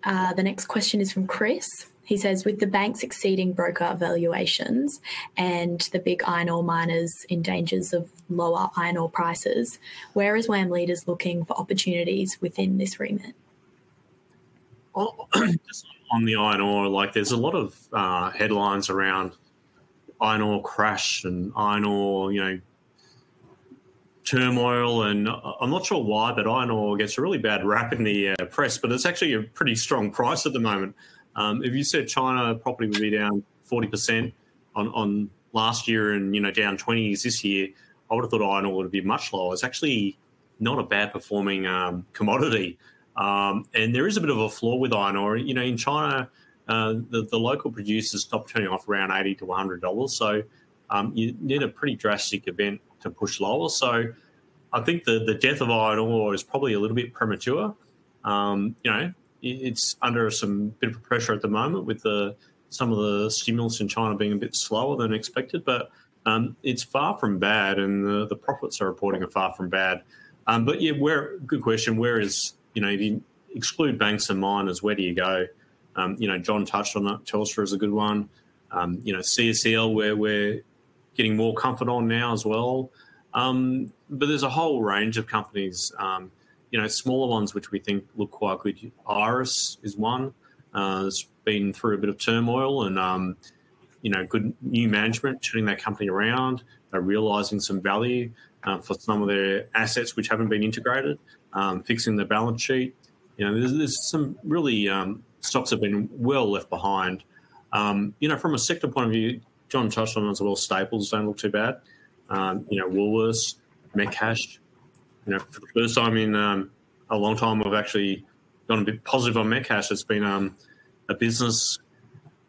The next question is from Chris. He says, with the banks exceeding broker valuations and the big iron ore miners in dangers of lower iron ore prices, where is WAM Leaders looking for opportunities within this remit? Just on the iron ore, there's a lot of headlines around iron ore crash and iron ore turmoil. And I'm not sure why. But iron ore gets a really bad rap in the press. But it's actually a pretty strong price at the moment. If you said China property would be down 40% on last year and down 20% this year, I would have thought iron ore would be much lower. It's actually not a bad-performing commodity. And there is a bit of a flaw with iron ore. In China, the local producers stopped turning off around $80-$100. So you need a pretty drastic event to push lower. So I think the death of iron ore is probably a little bit premature. It's under some bit of a pressure at the moment with some of the stimulus in China being a bit slower than expected. But it's far from bad. The profits being reported are far from bad. But yeah, good question. If you exclude banks and miners, where do you go? John touched on that. Telstra is a good one. CSL, we're getting more comfort on now as well. But there's a whole range of companies, smaller ones, which we think look quite good. Iress is one. It's been through a bit of turmoil and good new management turning that company around. They're realizing some value for some of their assets, which haven't been integrated, fixing the balance sheet. There are some really good stocks that have been well left behind. From a sector point of view, John touched on as well. Staples don't look too bad. Woolworths, Metcash. For the first time in a long time, we've actually gone a bit positive on Metcash. It's been a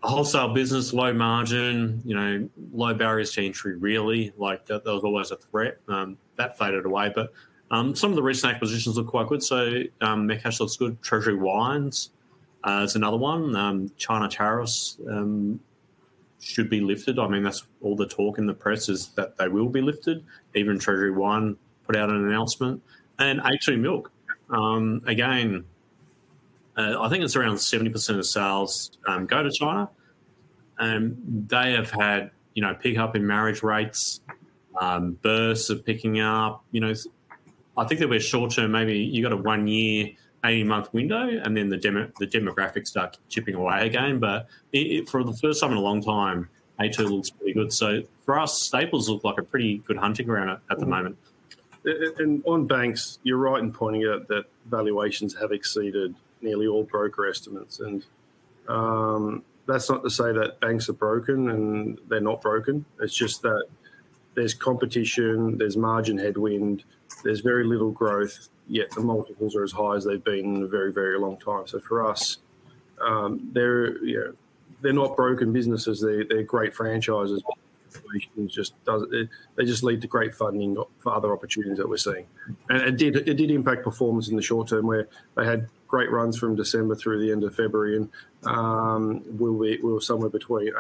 wholesale business, low margin, low barriers to entry, really. That was always a threat. That faded away. But some of the recent acquisitions look quite good. So Metcash looks good. Treasury Wine Estates is another one. China tariffs should be lifted. I mean, that's all the talk in the press is that they will be lifted, even Treasury Wine Estates put out an announcement. And A2 Milk, again, I think it's around 70% of sales go to China. And they have had pickup in marriage rates. Births are picking up. I think that we're short-term. Maybe you've got a 1-year, 18-month window. And then, the demographics start chipping away again. But for the first time in a long time, A2 Milk looks pretty good. So for us, staples look like a pretty good hunting ground at the moment. And on banks, you're right in pointing out that valuations have exceeded nearly all broker estimates. And that's not to say that banks are broken and they're not broken. It's just that there's competition. There's margin headwind. There's very little growth. Yet, the multiples are as high as they've been in a very, very long time. So for us, they're not broken businesses. They're great franchises. They just lead to great funding for other opportunities that we're seeing. And it did impact performance in the short term where they had great runs from December through the end of February. And we're somewhere between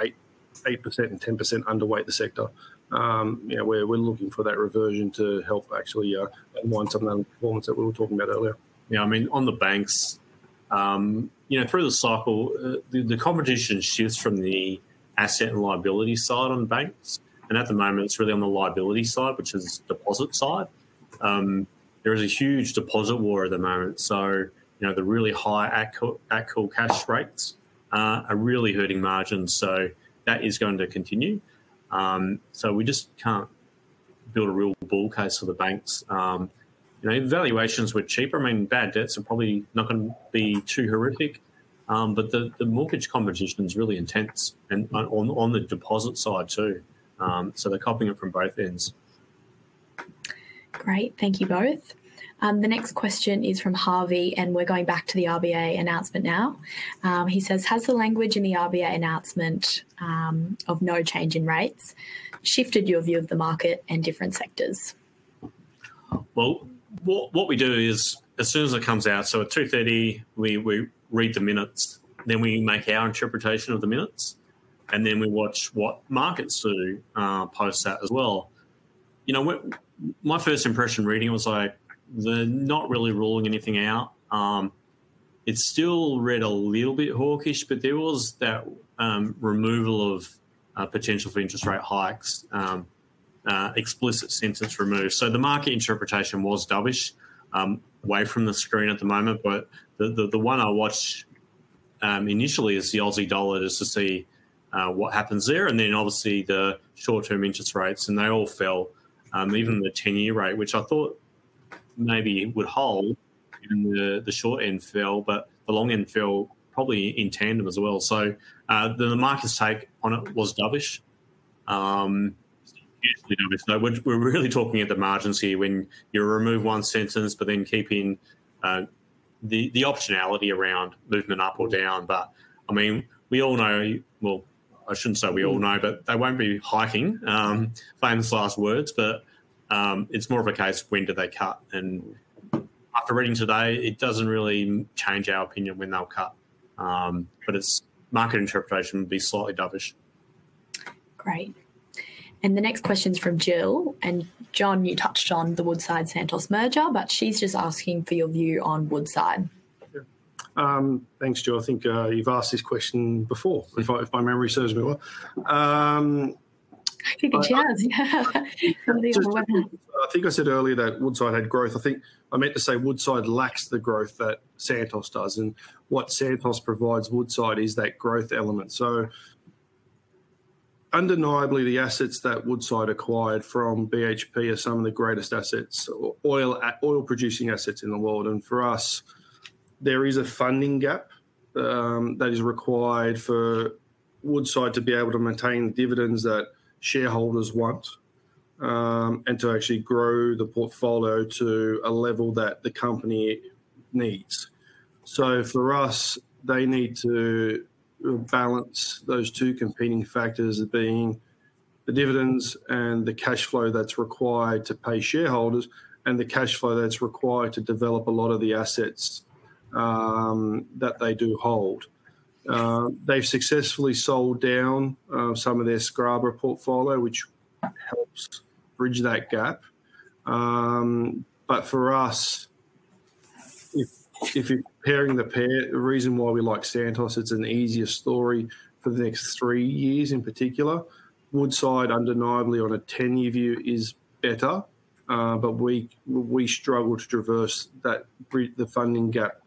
8%-10% underweight the sector. We're looking for that reversion to help actually unwind some of that performance that we were talking about earlier. Yeah, I mean, on the banks, through the cycle, the competition shifts from the asset and liability side on banks. And at the moment, it's really on the liability side, which is the deposit side. There is a huge deposit war at the moment. So the really high at-call cash rates are really hurting margins. So that is going to continue. So we just can't build a real bull case for the banks. Valuations were cheaper. I mean, bad debts are probably not going to be too horrific. But the mortgage competition is really intense on the deposit side too. So they're copying it from both ends. Great. Thank you both. The next question is from Harvey. We're going back to the RBA announcement now. He says, Has the language in the RBA announcement of no change in rates shifted your view of the market and different sectors? Well, what we do is as soon as it comes out, so at 2:30, we read the minutes. Then, we make our interpretation of the minutes. And then, we watch what markets do post that as well. My first impression reading was like they're not really ruling anything out. It's still read a little bit hawkish. But there was that removal of potential for interest rate hikes, explicit sentence removed. So the market interpretation was dovish, away from the screen at the moment. But the one I watched initially is the Aussie dollar, just to see what happens there. And then, obviously, the short-term interest rates. And they all fell, even the 10-year rate, which I thought maybe it would hold. And the short end fell. But the long end fell probably in tandem as well. So the market's take on it was dovish. We're really talking at the margins here when you remove one sentence but then keep in the optionality around movement up or down. But I mean, we all know, well, I shouldn't say we all know. But they won't be hiking. Famous last words. But it's more of a case of when do they cut. And after reading today, it doesn't really change our opinion when they'll cut. But it's market interpretation would be slightly dovish. Great. And the next question is from Jill. And John, you touched on the Woodside-Santos merger. But she's just asking for your view on Woodside. Thanks, Jill. I think you've asked this question before, if my memory serves me well. I think it shares. Yeah. I think I said earlier that Woodside had growth. I think I meant to say Woodside lacks the growth that Santos does. What Santos provides Woodside is that growth element. Undeniably, the assets that Woodside acquired from BHP are some of the greatest assets, oil-producing assets in the world. For us, there is a funding gap that is required for Woodside to be able to maintain the dividends that shareholders want and to actually grow the portfolio to a level that the company needs. For us, they need to balance those two competing factors of being the dividends and the cash flow that's required to pay shareholders and the cash flow that's required to develop a lot of the assets that they do hold. They've successfully sold down some of their Scarborough portfolio, which helps bridge that gap. But for us, if you're comparing the pair, the reason why we like Santos, it's an easier story for the next three years in particular. Woodside, undeniably, on a 10-year view, is better. But we struggle to traverse the funding gap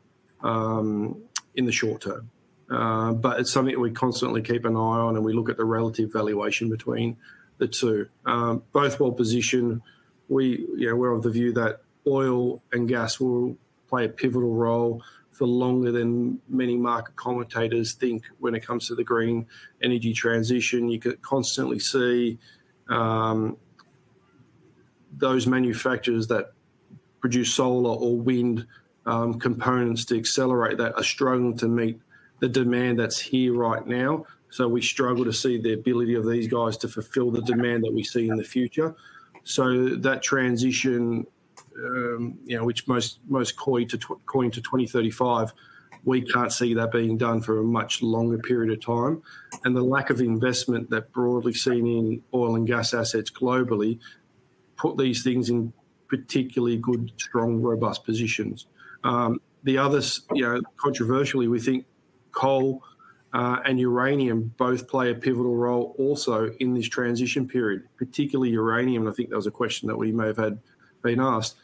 in the short term. But it's something that we constantly keep an eye on. And we look at the relative valuation between the two. Both well positioned. We're of the view that oil and gas will play a pivotal role for longer than many market commentators think when it comes to the green energy transition. You could constantly see those manufacturers that produce solar or wind components to accelerate that are struggling to meet the demand that's here right now. So we struggle to see the ability of these guys to fulfill the demand that we see in the future. So that transition, which most companies to 2035, we can't see that being done for a much longer period of time. And the lack of investment that's broadly seen in oil and gas assets globally put these things in particularly good, strong, robust positions. Controversially, we think coal and uranium both play a pivotal role also in this transition period, particularly uranium. And I think that was a question that we may have been asked.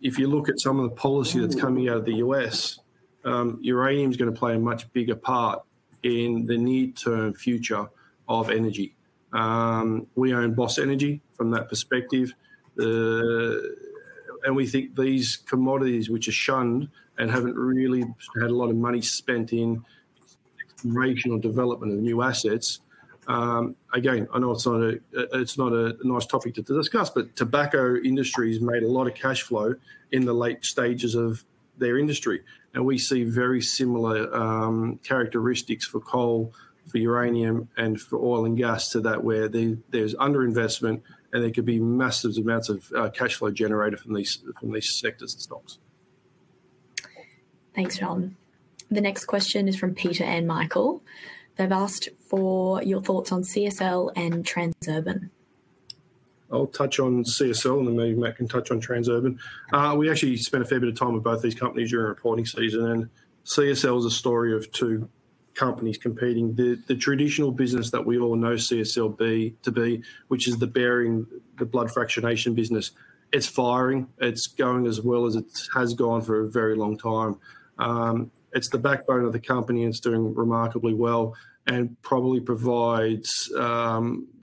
If you look at some of the policy that's coming out of the U.S., uranium is going to play a much bigger part in the near-term future of energy. We own Boss Energy from that perspective. And we think these commodities, which are shunned and haven't really had a lot of money spent in exploration or development of new assets again, I know it's not a nice topic to discuss. The tobacco industry has made a lot of cash flow in the late stages of their industry. We see very similar characteristics for coal, for uranium, and for oil and gas to that where there's underinvestment. There could be massive amounts of cash flow generated from these sectors and stocks. Thanks, John. The next question is from Peter and Michael. They've asked for your thoughts on CSL and Transurban. I'll touch on CSL. And then, maybe Matt can touch on Transurban. We actually spent a fair bit of time with both these companies during reporting season. And CSL is a story of two companies competing. The traditional business that we all know CSL to be, which is the blood fractionation business, it's firing. It's going as well as it has gone for a very long time. It's the backbone of the company. And it's doing remarkably well and probably provides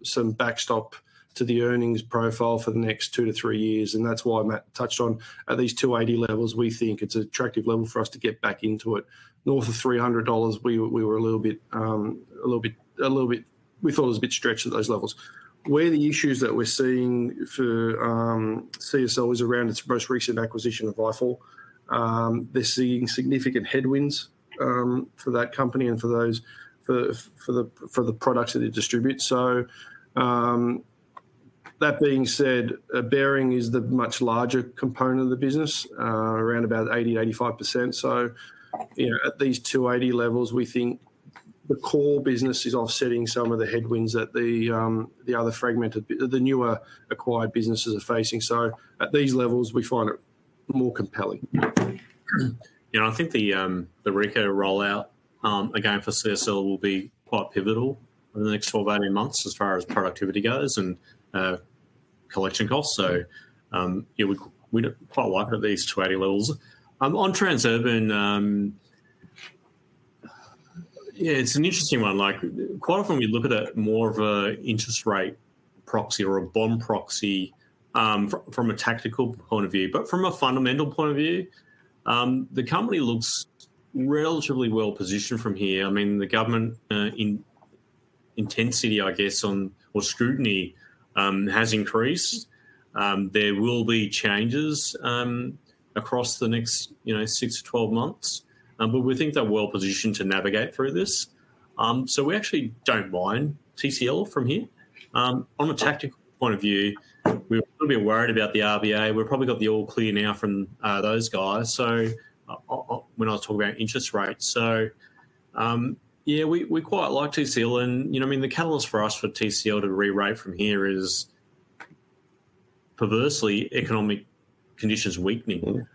some backstop to the earnings profile for the next 2-3 years. And that's why Matt touched on at these $280 levels, we think it's an attractive level for us to get back into it. North of $300, we were a little bit we thought it was a bit stretched at those levels. Where the issues that we're seeing for CSL is around its most recent acquisition of Vifor. They're seeing significant headwinds for that company and for the products that it distributes. So that being said, the Behring is the much larger component of the business, around 80%-85%. So at these 280 levels, we think the core business is offsetting some of the headwinds that the other fragmented, the newer acquired businesses are facing. So at these levels, we find it more compelling. Yeah. I think the Rika rollout, again, for CSL will be quite pivotal over the next 12-18 months as far as productivity goes and collection costs. So we quite like it at these 280 levels. On Transurban, yeah, it's an interesting one. Quite often, we look at it more of an interest rate proxy or a bond proxy from a tactical point of view. But from a fundamental point of view, the company looks relatively well positioned from here. I mean, the government intensity, I guess, or scrutiny has increased. There will be changes across the next 6-12 months. But we think they're well positioned to navigate through this. So we actually don't mind TCL from here. On a tactical point of view, we're going to be worried about the RBA. We've probably got the all clear now from those guys. So when I was talking about interest rates, so yeah, we quite like TCL. And I mean, the catalyst for us for TCL to re-rate from here is, perversely, economic conditions weakening.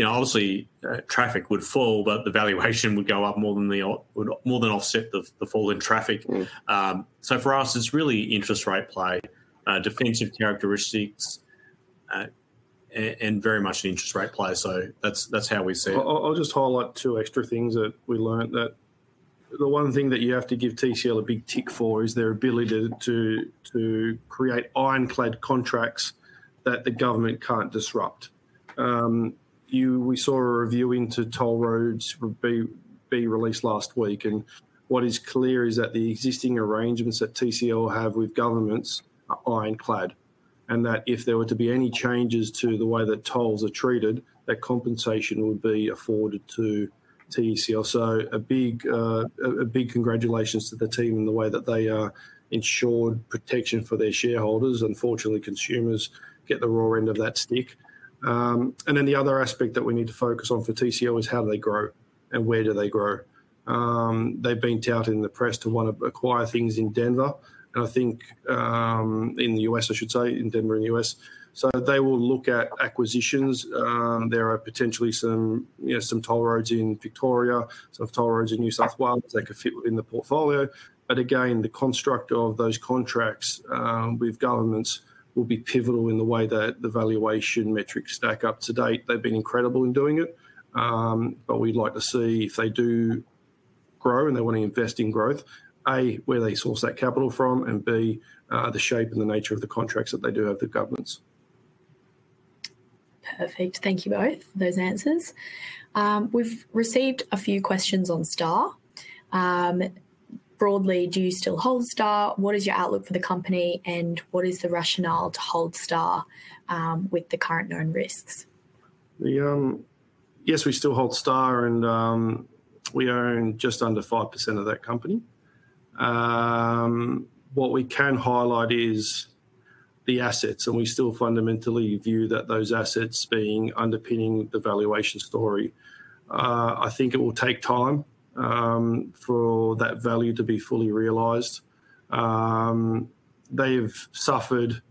Obviously, traffic would fall. But the valuation would go up more than offset the fall in traffic. So for us, it's really interest rate play, defensive characteristics, and very much an interest rate play. So that's how we see it. I'll just highlight two extra things that we learned. The one thing that you have to give TCL a big tick for is their ability to create ironclad contracts that the government can't disrupt. We saw a review into toll roads be released last week. What is clear is that the existing arrangements that TCL have with governments are ironclad. That if there were to be any changes to the way that tolls are treated, that compensation would be afforded to TCL. So a big congratulations to the team and the way that they are ensured protection for their shareholders. Unfortunately, consumers get the raw end of that stick. The other aspect that we need to focus on for TCL is how do they grow and where do they grow. They've been touted in the press to want to acquire things in Denver. I think in the US, I should say, in Denver and the US. They will look at acquisitions. There are potentially some toll roads in Victoria, some toll roads in New South Wales that could fit within the portfolio. But again, the construct of those contracts with governments will be pivotal in the way that the valuation metrics stack up to date. They've been incredible in doing it. We'd like to see if they do grow and they want to invest in growth, A, where they source that capital from, and B, the shape and the nature of the contracts that they do have with governments. Perfect. Thank you both for those answers. We've received a few questions on STAR. Broadly, do you still hold STAR? What is your outlook for the company? And what is the rationale to hold STAR with the current known risks? Yes, we still hold STAR. We own just under 5% of that company. What we can highlight is the assets. We still fundamentally view that those assets being underpinning the valuation story. I think it will take time for that value to be fully realized. They've suffered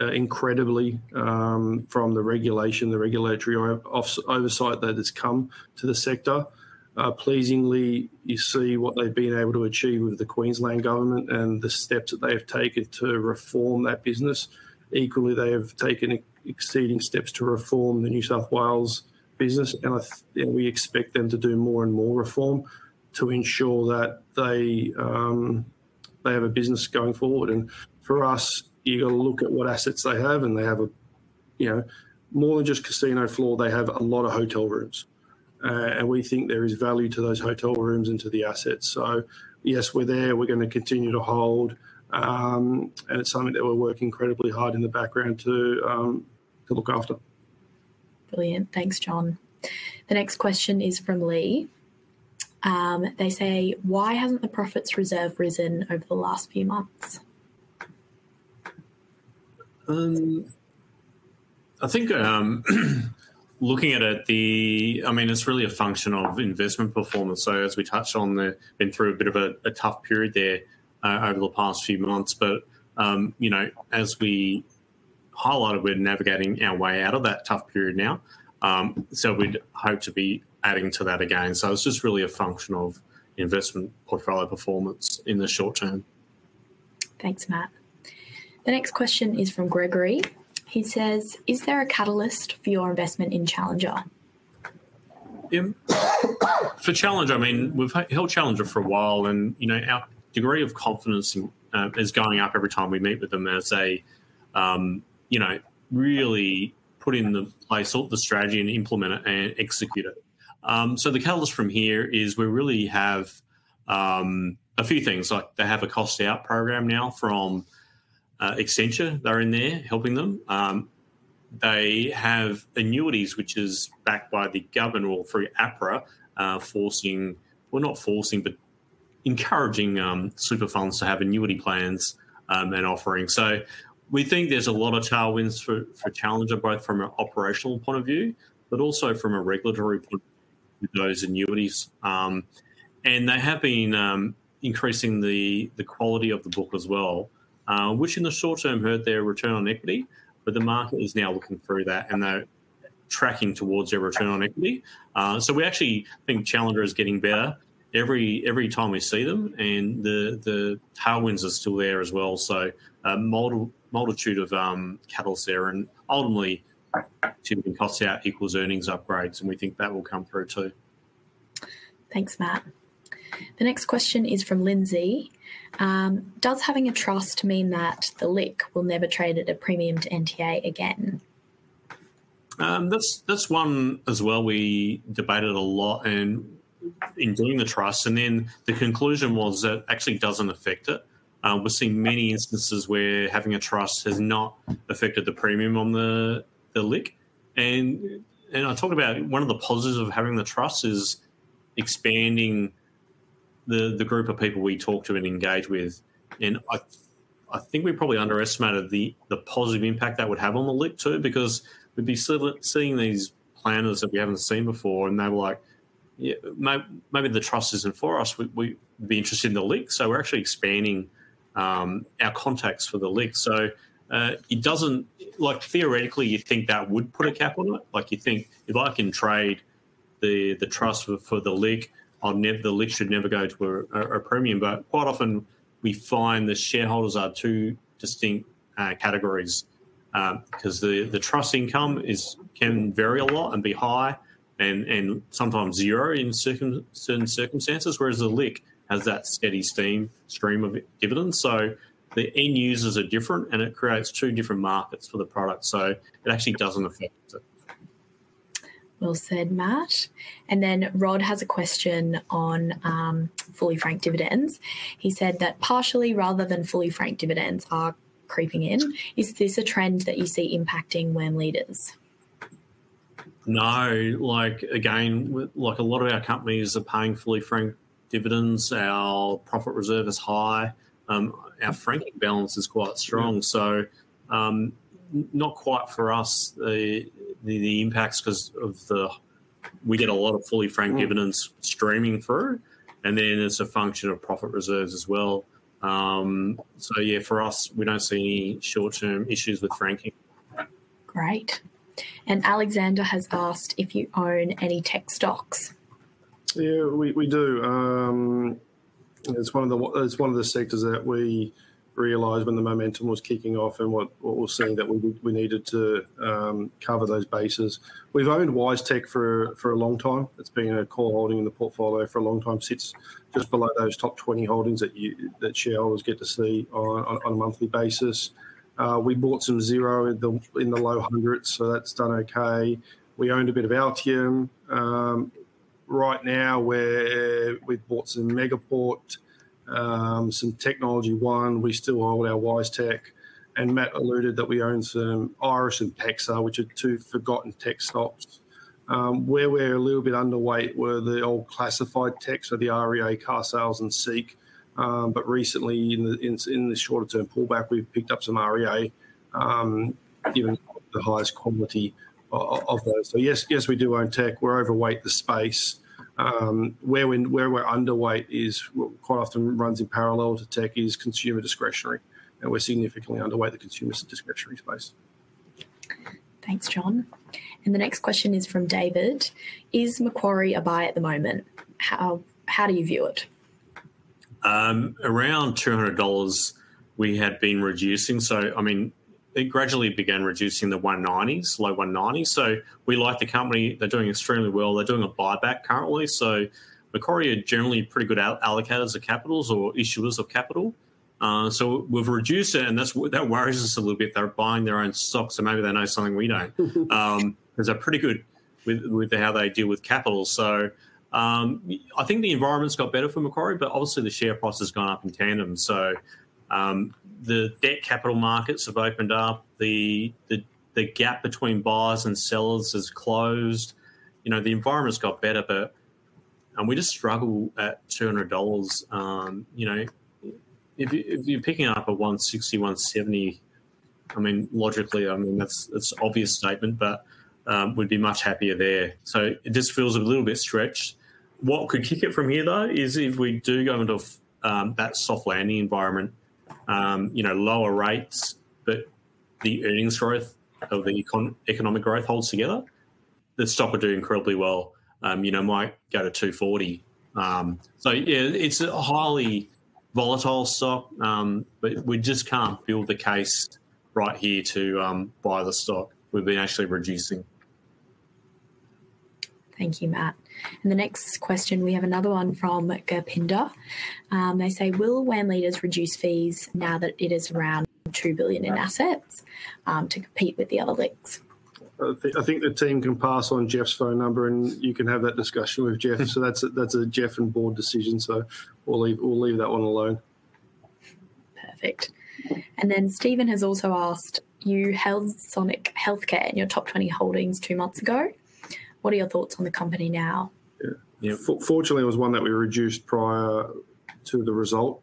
incredibly from the regulation, the regulatory oversight that has come to the sector. Pleasingly, you see what they've been able to achieve with the Queensland government and the steps that they have taken to reform that business. Equally, they have taken exceeding steps to reform the New South Wales business. We expect them to do more and more reform to ensure that they have a business going forward. For us, you've got to look at what assets they have. They have more than just casino floor. They have a lot of hotel rooms. We think there is value to those hotel rooms and to the assets. So yes, we're there. We're going to continue to hold. It's something that we're working incredibly hard in the background to look after. Brilliant. Thanks, John. The next question is from Lee. They say, "Why hasn't the profit reserve risen over the last few months? I think looking at it, I mean, it's really a function of investment performance. So as we touched on, they've been through a bit of a tough period there over the past few months. But as we highlighted, we're navigating our way out of that tough period now. So we'd hope to be adding to that again. So it's just really a function of investment portfolio performance in the short term. Thanks, Matt. The next question is from Gregory. He says, "Is there a catalyst for your investment in Challenger? For Challenger, I mean, we've held Challenger for a while. And our degree of confidence is going up every time we meet with them as they really put in place the strategy and implement it and execute it. So the catalyst from here is we really have a few things. They have a cost-out program now from Accenture. They're in there helping them. They have annuities, which is backed by the government rule through APRA, forcing well, not forcing, but encouraging super funds to have annuity plans and offerings. So we think there's a lot of tailwinds for Challenger both from an operational point of view but also from a regulatory point of view with those annuities. And they have been increasing the quality of the book as well, which in the short term hurt their return on equity. But the market is now looking through that. They're tracking towards their return on equity. We actually think Challenger is getting better every time we see them. The tailwinds are still there as well. A multitude of catalysts there. Ultimately, cost-out equals earnings upgrades. We think that will come through too. Thanks, Matt. The next question is from Lindsay. "Does having a trust mean that the LIC will never trade at a premium to NTA again? That's one as well. We debated a lot in doing the trust. Then, the conclusion was that it actually doesn't affect it. We're seeing many instances where having a trust has not affected the premium on the LIC. And I talked about one of the positives of having the trust is expanding the group of people we talk to and engage with. And I think we probably underestimated the positive impact that would have on the LIC too because we'd be seeing these planners that we haven't seen before. And they were like, "Maybe the trust isn't for us. We'd be interested in the LIC. So we're actually expanding our contacts for the LIC." So theoretically, you think that would put a cap on it. You think if I can trade the trust for the LIC, the LIC should never go to a premium. Quite often, we find the shareholders are two distinct categories because the trust income can vary a lot and be high and sometimes zero in certain circumstances. Whereas the LIC has that steady stream of dividends. The end users are different. It creates two different markets for the product. It actually doesn't affect it. Well said, Matt. And then, Rod has a question on fully franked dividends. He said that partially, rather than fully franked dividends are creeping in. Is this a trend that you see impacting WAM Leaders? No. Again, a lot of our companies are paying fully franked dividends. Our profit reserve is high. Our franking balance is quite strong. So not quite for us the impacts because we get a lot of fully franked dividends streaming through. And then, it's a function of profit reserves as well. So yeah, for us, we don't see any short-term issues with franking. Great. Alexander has asked if you own any tech stocks. Yeah, we do. It's one of the sectors that we realized when the momentum was kicking off and what we're seeing that we needed to cover those bases. We've owned WiseTech for a long time. It's been a core holding in the portfolio for a long time. It sits just below those top 20 holdings that shareholders get to see on a monthly basis. We bought some Xero in the low 100s. So that's done OK. We owned a bit of Altium. Right now, we've bought some Megaport, some TechnologyOne. We still hold our WiseTech. And Matt alluded that we own some Iress and PEXA, which are two forgotten tech stocks. Where we're a little bit underweight were the old classified techs or the REA, Carsales and SEEK. But recently, in the shorter-term pullback, we've picked up some REA, even the highest quality of those. Yes, we do own tech. We're overweight the space. Where we're underweight is quite often runs in parallel to tech is consumer discretionary. We're significantly underweight the consumer discretionary space. Thanks, John. And the next question is from David. "Is Macquarie a buy at the moment? How do you view it? Around 200 dollars, we had been reducing. So I mean, it gradually began reducing the 190s, low 190s. So we like the company. They're doing extremely well. They're doing a buyback currently. So Macquarie are generally pretty good allocators of capitals or issuers of capital. So we've reduced it. And that worries us a little bit. They're buying their own stocks. So maybe they know something we don't because they're pretty good with how they deal with capital. So I think the environment's got better for Macquarie. But obviously, the share price has gone up in tandem. So the debt capital markets have opened up. The gap between buyers and sellers has closed. The environment's got better. But we just struggle at 200 dollars. If you're picking it up at 160, 170, I mean, logically, I mean, that's an obvious statement. But we'd be much happier there. So it just feels a little bit stretched. What could kick it from here, though, is if we do go into that soft landing environment, lower rates, but the earnings growth or the economic growth holds together, the stock would do incredibly well, might go to 240. So yeah, it's a highly volatile stock. But we just can't build the case right here to buy the stock. We've been actually reducing. Thank you, Matt. And the next question, we have another one from Gurpinder. They say, "Will WAM Leaders reduce fees now that it is around 2 billion in assets to compete with the other LICs? I think the team can pass on Geoff's phone number. You can have that discussion with Geoff. That's a Geoff and board decision. We'll leave that one alone. Perfect. And then, Stephen has also asked, "You held Sonic Healthcare in your top 20 holdings two months ago. What are your thoughts on the company now? Yeah, fortunately, it was one that we reduced prior to the result.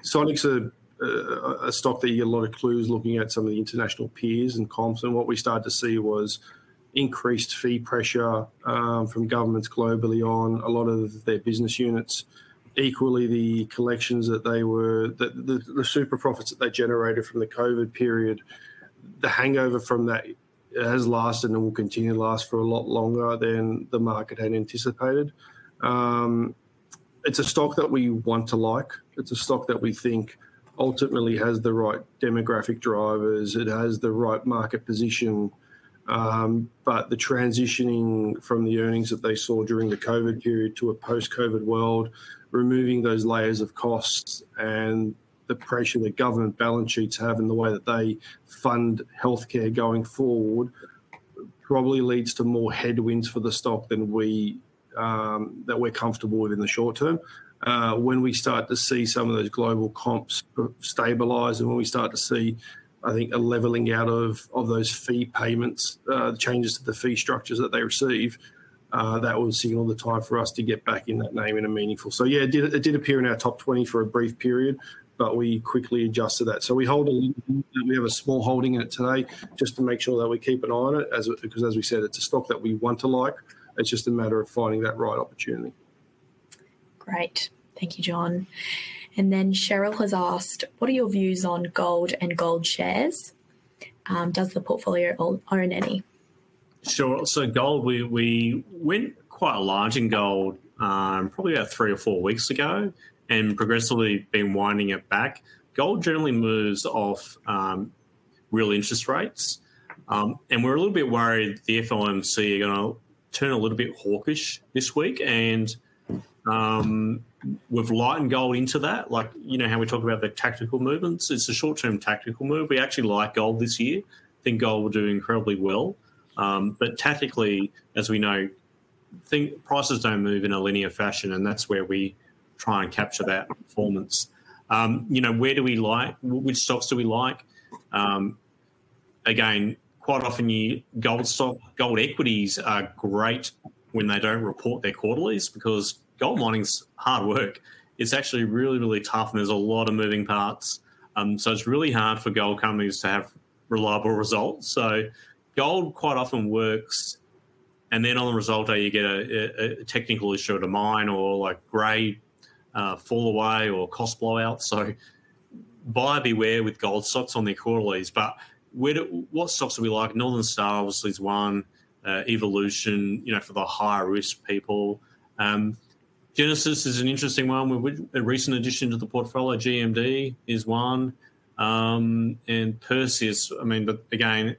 Sonic's a stock that you get a lot of clues looking at some of the international peers and comps. And what we started to see was increased fee pressure from governments globally on a lot of their business units. Equally, the collections that they were the super profits that they generated from the COVID period, the hangover from that has lasted and will continue to last for a lot longer than the market had anticipated. It's a stock that we want to like. It's a stock that we think ultimately has the right demographic drivers. It has the right market position. But the transitioning from the earnings that they saw during the COVID period to a post-COVID world, removing those layers of costs and the pressure the government balance sheets have and the way that they fund healthcare going forward probably leads to more headwinds for the stock than what we're comfortable with in the short term. When we start to see some of those global comps stabilize and when we start to see, I think, a leveling out of those fee payments, the changes to the fee structures that they receive, that will signal the time for us to get back in that name in a meaningful way, so yeah, it did appear in our top 20 for a brief period. But we quickly adjusted that. So we have a small holding in it today just to make sure that we keep an eye on it because, as we said, it's a stock that we want to like. It's just a matter of finding that right opportunity. Great. Thank you, John. And then, Cheryl has asked, "What are your views on gold and gold shares? Does the portfolio own any? So gold, we went quite large in gold probably about 3 or 4 weeks ago and progressively been winding it back. Gold generally moves off real interest rates. And we're a little bit worried the FOMC are going to turn a little bit hawkish this week. And we've lightened gold into that like how we talk about the tactical movements. It's a short-term tactical move. We actually like gold this year. Think gold will do incredibly well. But tactically, as we know, prices don't move in a linear fashion. And that's where we try and capture that performance. Where do we like which stocks do we like? Again, quite often, gold equities are great when they don't report their quarterlies because gold mining's hard work. It's actually really, really tough. And there's a lot of moving parts. So it's really hard for gold companies to have reliable results. So gold quite often works. And then, on the result day, you get a technical issue to mine or grade fall away or cost blowout. So buyer beware with gold stocks on their quarterlies. But what stocks do we like? Northern Star obviously is one, Evolution for the higher risk people. Genesis is an interesting one. A recent addition to the portfolio, GMD is one. And Perseus, I mean, but again,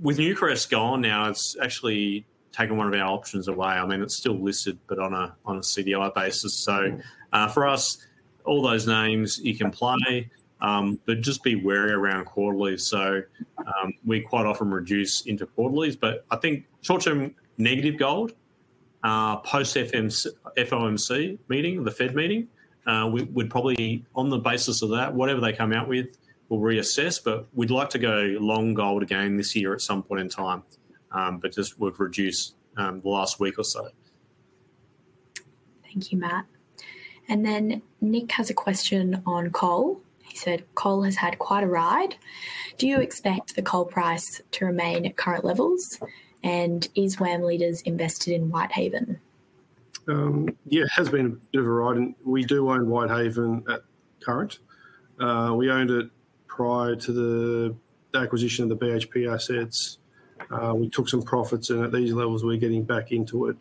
with Newcrest gone now, it's actually taken one of our options away. I mean, it's still listed but on a CDI basis. So for us, all those names, you can play. But just be wary around quarterlies. So we quite often reduce into quarterlies. But I think short-term negative gold post-FOMC meeting, the Fed meeting, we'd probably on the basis of that, whatever they come out with, we'll reassess. But we'd like to go long gold again this year at some point in time. But just, we've reduced the last week or so. Thank you, Matt. And then, Nick has a question on coal. He said, "Coal has had quite a ride. Do you expect the coal price to remain at current levels? And is WAM Leaders invested in Whitehaven? Yeah, it has been a bit of a ride. We do own Whitehaven at current. We owned it prior to the acquisition of the BHP assets. We took some profits. At these levels, we're getting back into it.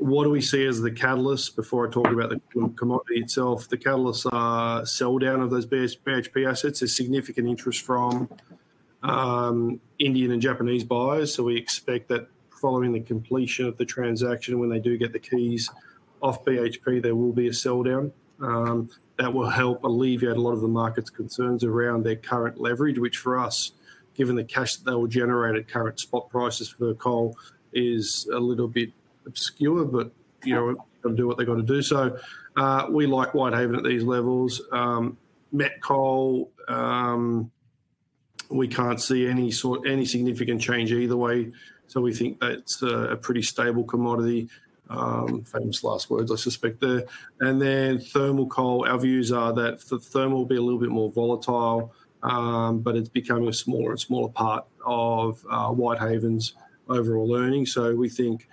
What do we see as the catalyst before I talk about the commodity itself? The catalysts are sell down of those BHP assets. There's significant interest from Indian and Japanese buyers. We expect that following the completion of the transaction, when they do get the keys off BHP, there will be a sell down. That will help alleviate a lot of the market's concerns around their current leverage, which for us, given the cash that they will generate at current spot prices for coal, is a little bit obscure. But they've got to do what they've got to do. We like Whitehaven at these levels. Met coal, we can't see any significant change either way. So we think that's a pretty stable commodity. Famous last words, I suspect, there. And then, thermal coal, our views are that the thermal will be a little bit more volatile. But it's becoming a smaller and smaller part of Whitehaven's overall earnings. So we think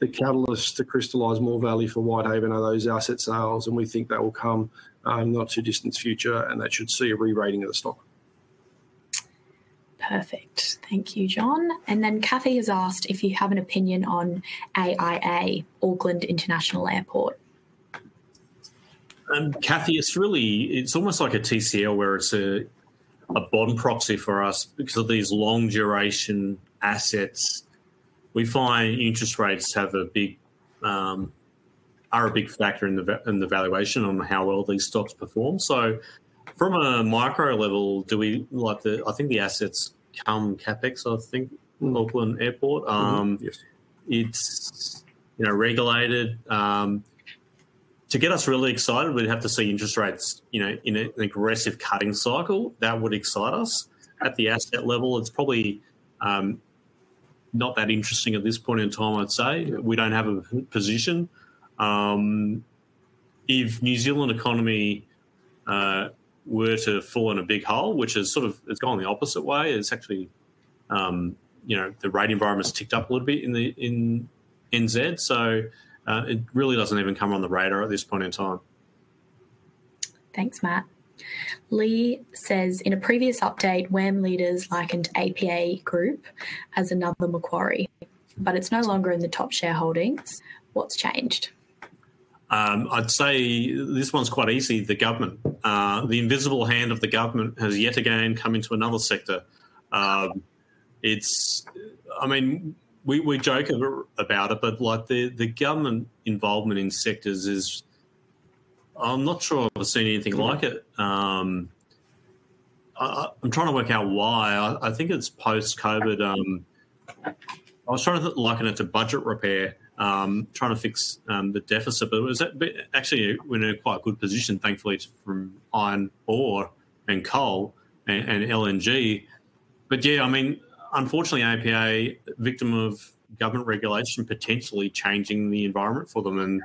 the catalyst to crystallize more value for Whitehaven are those asset sales. And we think that will come in the not-too-distant future. And that should see a re-rating of the stock. Perfect. Thank you, John. And then, Cathy has asked if you have an opinion on AIA, Auckland International Airport. Cathy, it's really almost like a LIC where it's a bond proxy for us because of these long-duration assets. We find interest rates are a big factor in the valuation on how well these stocks perform. So from a micro level, I think the assets come CapEx, I think, Auckland Airport. It's regulated. To get us really excited, we'd have to see interest rates in an aggressive cutting cycle. That would excite us. At the asset level, it's probably not that interesting at this point in time, I'd say. We don't have a position. If New Zealand economy were to fall in a big hole, which is sort of it's gone the opposite way. It's actually the rate environment's ticked up a little bit in NZ. So it really doesn't even come on the radar at this point in time. Thanks, Matt. Lee says, "In a previous update, WAM Leaders likened APA Group as another Macquarie. But it's no longer in the top shareholdings. What's changed? I'd say this one's quite easy, the government. The invisible hand of the government has yet again come into another sector. I mean, we joke about it. But the government involvement in sectors is I'm not sure I've seen anything like it. I'm trying to work out why. I think it's post-COVID. I was trying to liken it to budget repair, trying to fix the deficit. But actually, we're in a quite good position, thankfully, from iron ore and coal and LNG. But yeah, I mean, unfortunately, APA, victim of government regulation potentially changing the environment for them.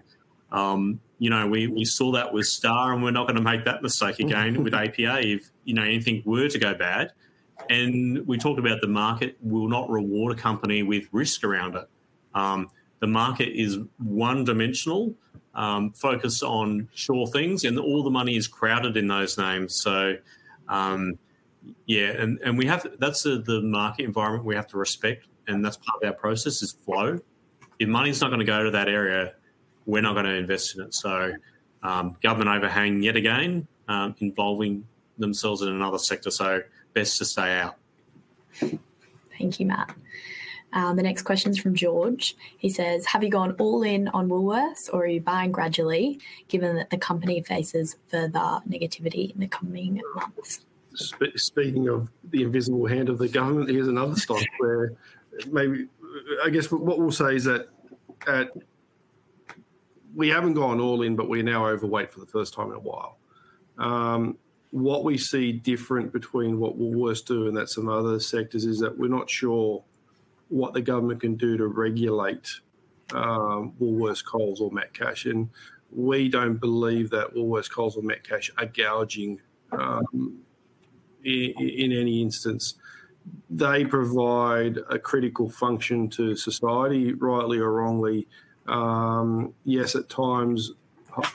And we saw that with Star. And we're not going to make that mistake again with APA if anything were to go bad. And we talked about the market will not reward a company with risk around it. The market is one-dimensional, focused on sure things. All the money is crowded in those names. So yeah, and we have, that's the market environment we have to respect. And that's part of our process is flow. If money's not going to go to that area, we're not going to invest in it. So, government overhang yet again involving themselves in another sector. Best to stay out. Thank you, Matt. The next question's from George. He says, "Have you gone all in on Woolworths? Or are you buying gradually given that the company faces further negativity in the coming months? Speaking of the invisible hand of the government, here's another stock where maybe I guess what we'll say is that we haven't gone all in. But we're now overweight for the first time in a while. What we see different between what Woolworths do and that's some other sectors is that we're not sure what the government can do to regulate Woolworths and Coles or Metcash. And we don't believe that Woolworths and Coles or Metcash are gouging in any instance. They provide a critical function to society, rightly or wrongly. Yes, at times,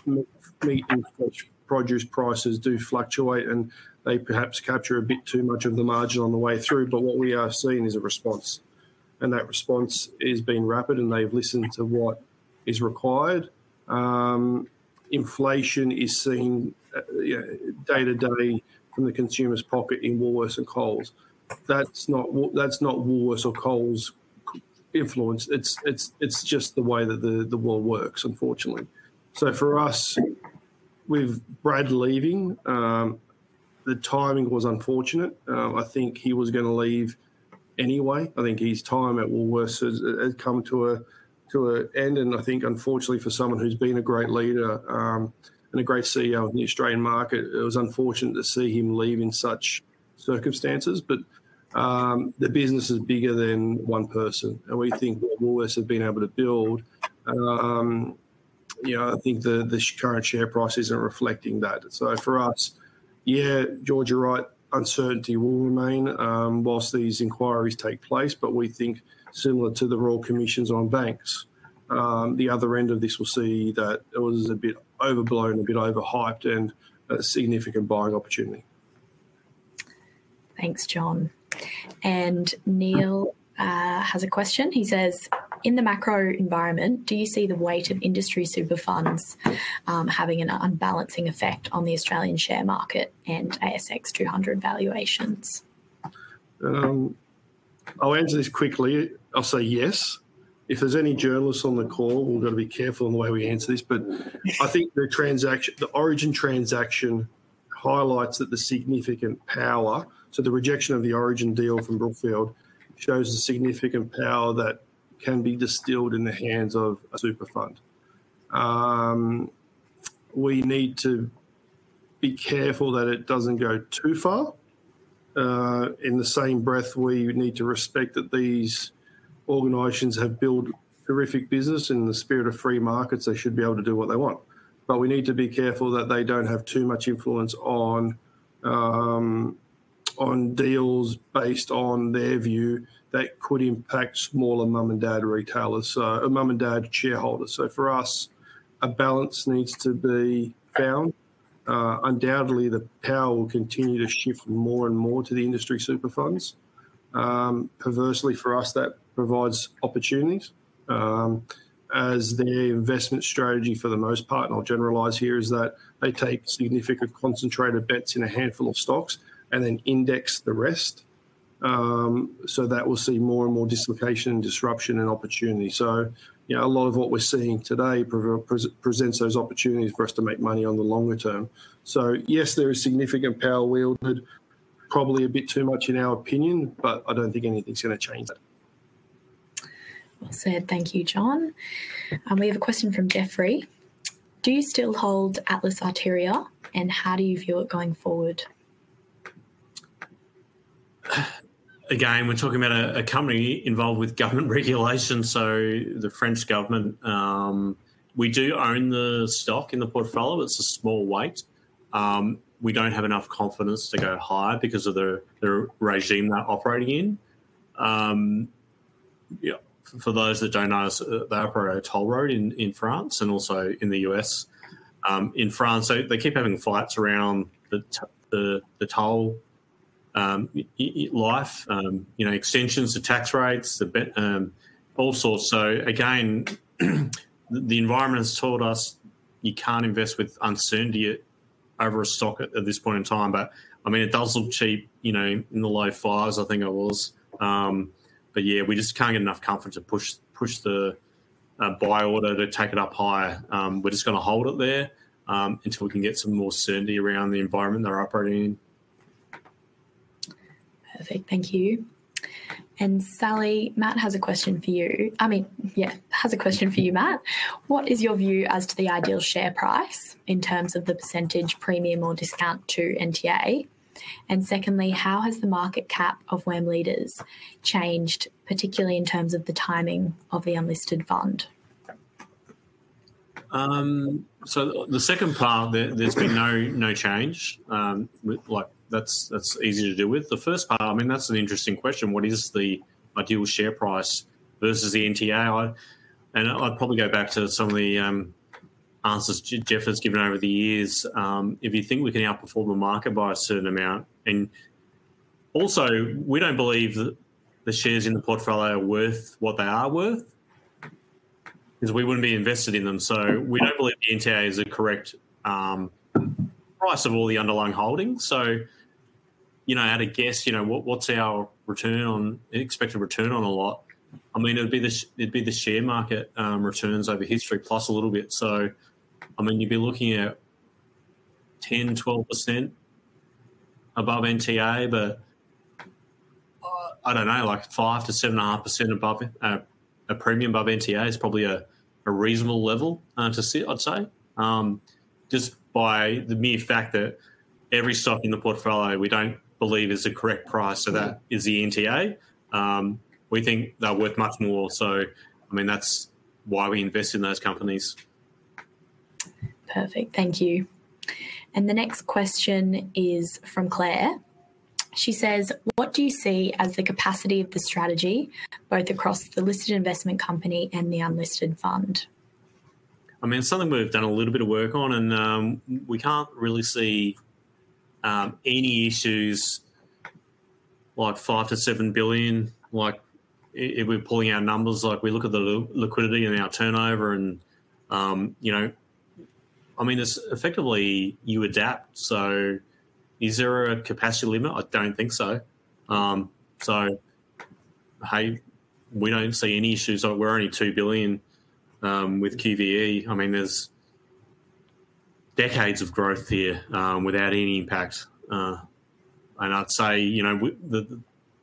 meat and fish produce prices do fluctuate. And they perhaps capture a bit too much of the margin on the way through. But what we are seeing is a response. And that response has been rapid. And they've listened to what is required. Inflation is seen day to day from the consumer's pocket in Woolworths and Coles. That's not Woolworths or Coles' influence. It's just the way that the world works, unfortunately. So for us, with Brad leaving, the timing was unfortunate. I think he was going to leave anyway. I think his time at Woolworths has come to an end. And I think, unfortunately, for someone who's been a great leader and a great CEO of the Australian market, it was unfortunate to see him leave in such circumstances. But the business is bigger than one person. And we think what Woolworths have been able to build, I think the current share price isn't reflecting that. So for us, yeah, George, you're right. Uncertainty will remain while these inquiries take place. But we think similar to the Royal Commissions on banks, the other end of this will see that it was a bit overblown, a bit overhyped, and a significant buying opportunity. Thanks, John. And Neil has a question. He says, "In the macro environment, do you see the weight of industry super funds having an unbalancing effect on the Australian share market and ASX 200 valuations? I'll answer this quickly. I'll say yes. If there's any journalists on the call, we've got to be careful in the way we answer this. But I think the Origin transaction highlights that the significant power so the rejection of the Origin deal from Brookfield shows the significant power that can be distilled in the hands of a super fund. We need to be careful that it doesn't go too far. In the same breath, we need to respect that these organizations have built terrific business in the spirit of free markets. They should be able to do what they want. But we need to be careful that they don't have too much influence on deals based on their view that could impact smaller mum and dad retailers, so mum and dad shareholders. So for us, a balance needs to be found. Undoubtedly, the power will continue to shift more and more to the industry super funds. Perversely, for us, that provides opportunities. As their investment strategy for the most part, and I'll generalize here, is that they take significant concentrated bets in a handful of stocks and then index the rest. So that will see more and more dislocation and disruption and opportunity. So a lot of what we're seeing today presents those opportunities for us to make money on the longer term. So yes, there is significant power wielded, probably a bit too much in our opinion. But I don't think anything's going to change that. Well said. Thank you, John. We have a question from Geoffrey. "Do you still hold Atlas Arteria? And how do you view it going forward? Again, we're talking about a company involved with government regulation. So the French government, we do own the stock in the portfolio. It's a small weight. We don't have enough confidence to go high because of the regime they're operating in. For those that don't know, they operate a toll road in France and also in the U.S. In France, they keep having fights around the toll hikes, extensions to tax rates, all sorts. So again, the environment has taught us you can't invest with uncertainty over a stock at this point in time. But I mean, it does look cheap in the low fours, I think it was. But yeah, we just can't get enough confidence to push the buy order to take it up higher. We're just going to hold it there until we can get some more certainty around the environment they're operating in. Perfect. Thank you. And Sally, Matt has a question for you. I mean, yeah, has a question for you, Matt. "What is your view as to the ideal share price in terms of the percentage premium or discount to NTA? And secondly, how has the market cap of WAM Leaders changed, particularly in terms of the timing of the unlisted fund? So the second part, there's been no change. That's easy to deal with. The first part, I mean, that's an interesting question. What is the ideal share price versus the NTA? And I'd probably go back to some of the answers Geoff has given over the years. If you think we can outperform the market by a certain amount and also, we don't believe that the shares in the portfolio are worth what they are worth because we wouldn't be invested in them. So we don't believe the NTA is a correct price of all the underlying holdings. So at a guess, what's our expected return on a lot? I mean, it'd be the share market returns over history plus a little bit. So I mean, you'd be looking at 10%-12% above NTA. I don't know, like 5%-7.5% premium above NTA is probably a reasonable level to see, I'd say, just by the mere fact that every stock in the portfolio we don't believe is the correct price. That is the NTA. We think they're worth much more. I mean, that's why we invest in those companies. Perfect. Thank you. And the next question is from Claire. She says, "What do you see as the capacity of the strategy both across the listed investment company and the unlisted fund? I mean, it's something we've done a little bit of work on. We can't really see any issues like 5 billion-7 billion. If we're pulling our numbers, we look at the liquidity and our turnover. I mean, effectively, you adapt. So is there a capacity limit? I don't think so. So we don't see any issues. We're only 2 billion with QVE. I mean, there's decades of growth here without any impact. I'd say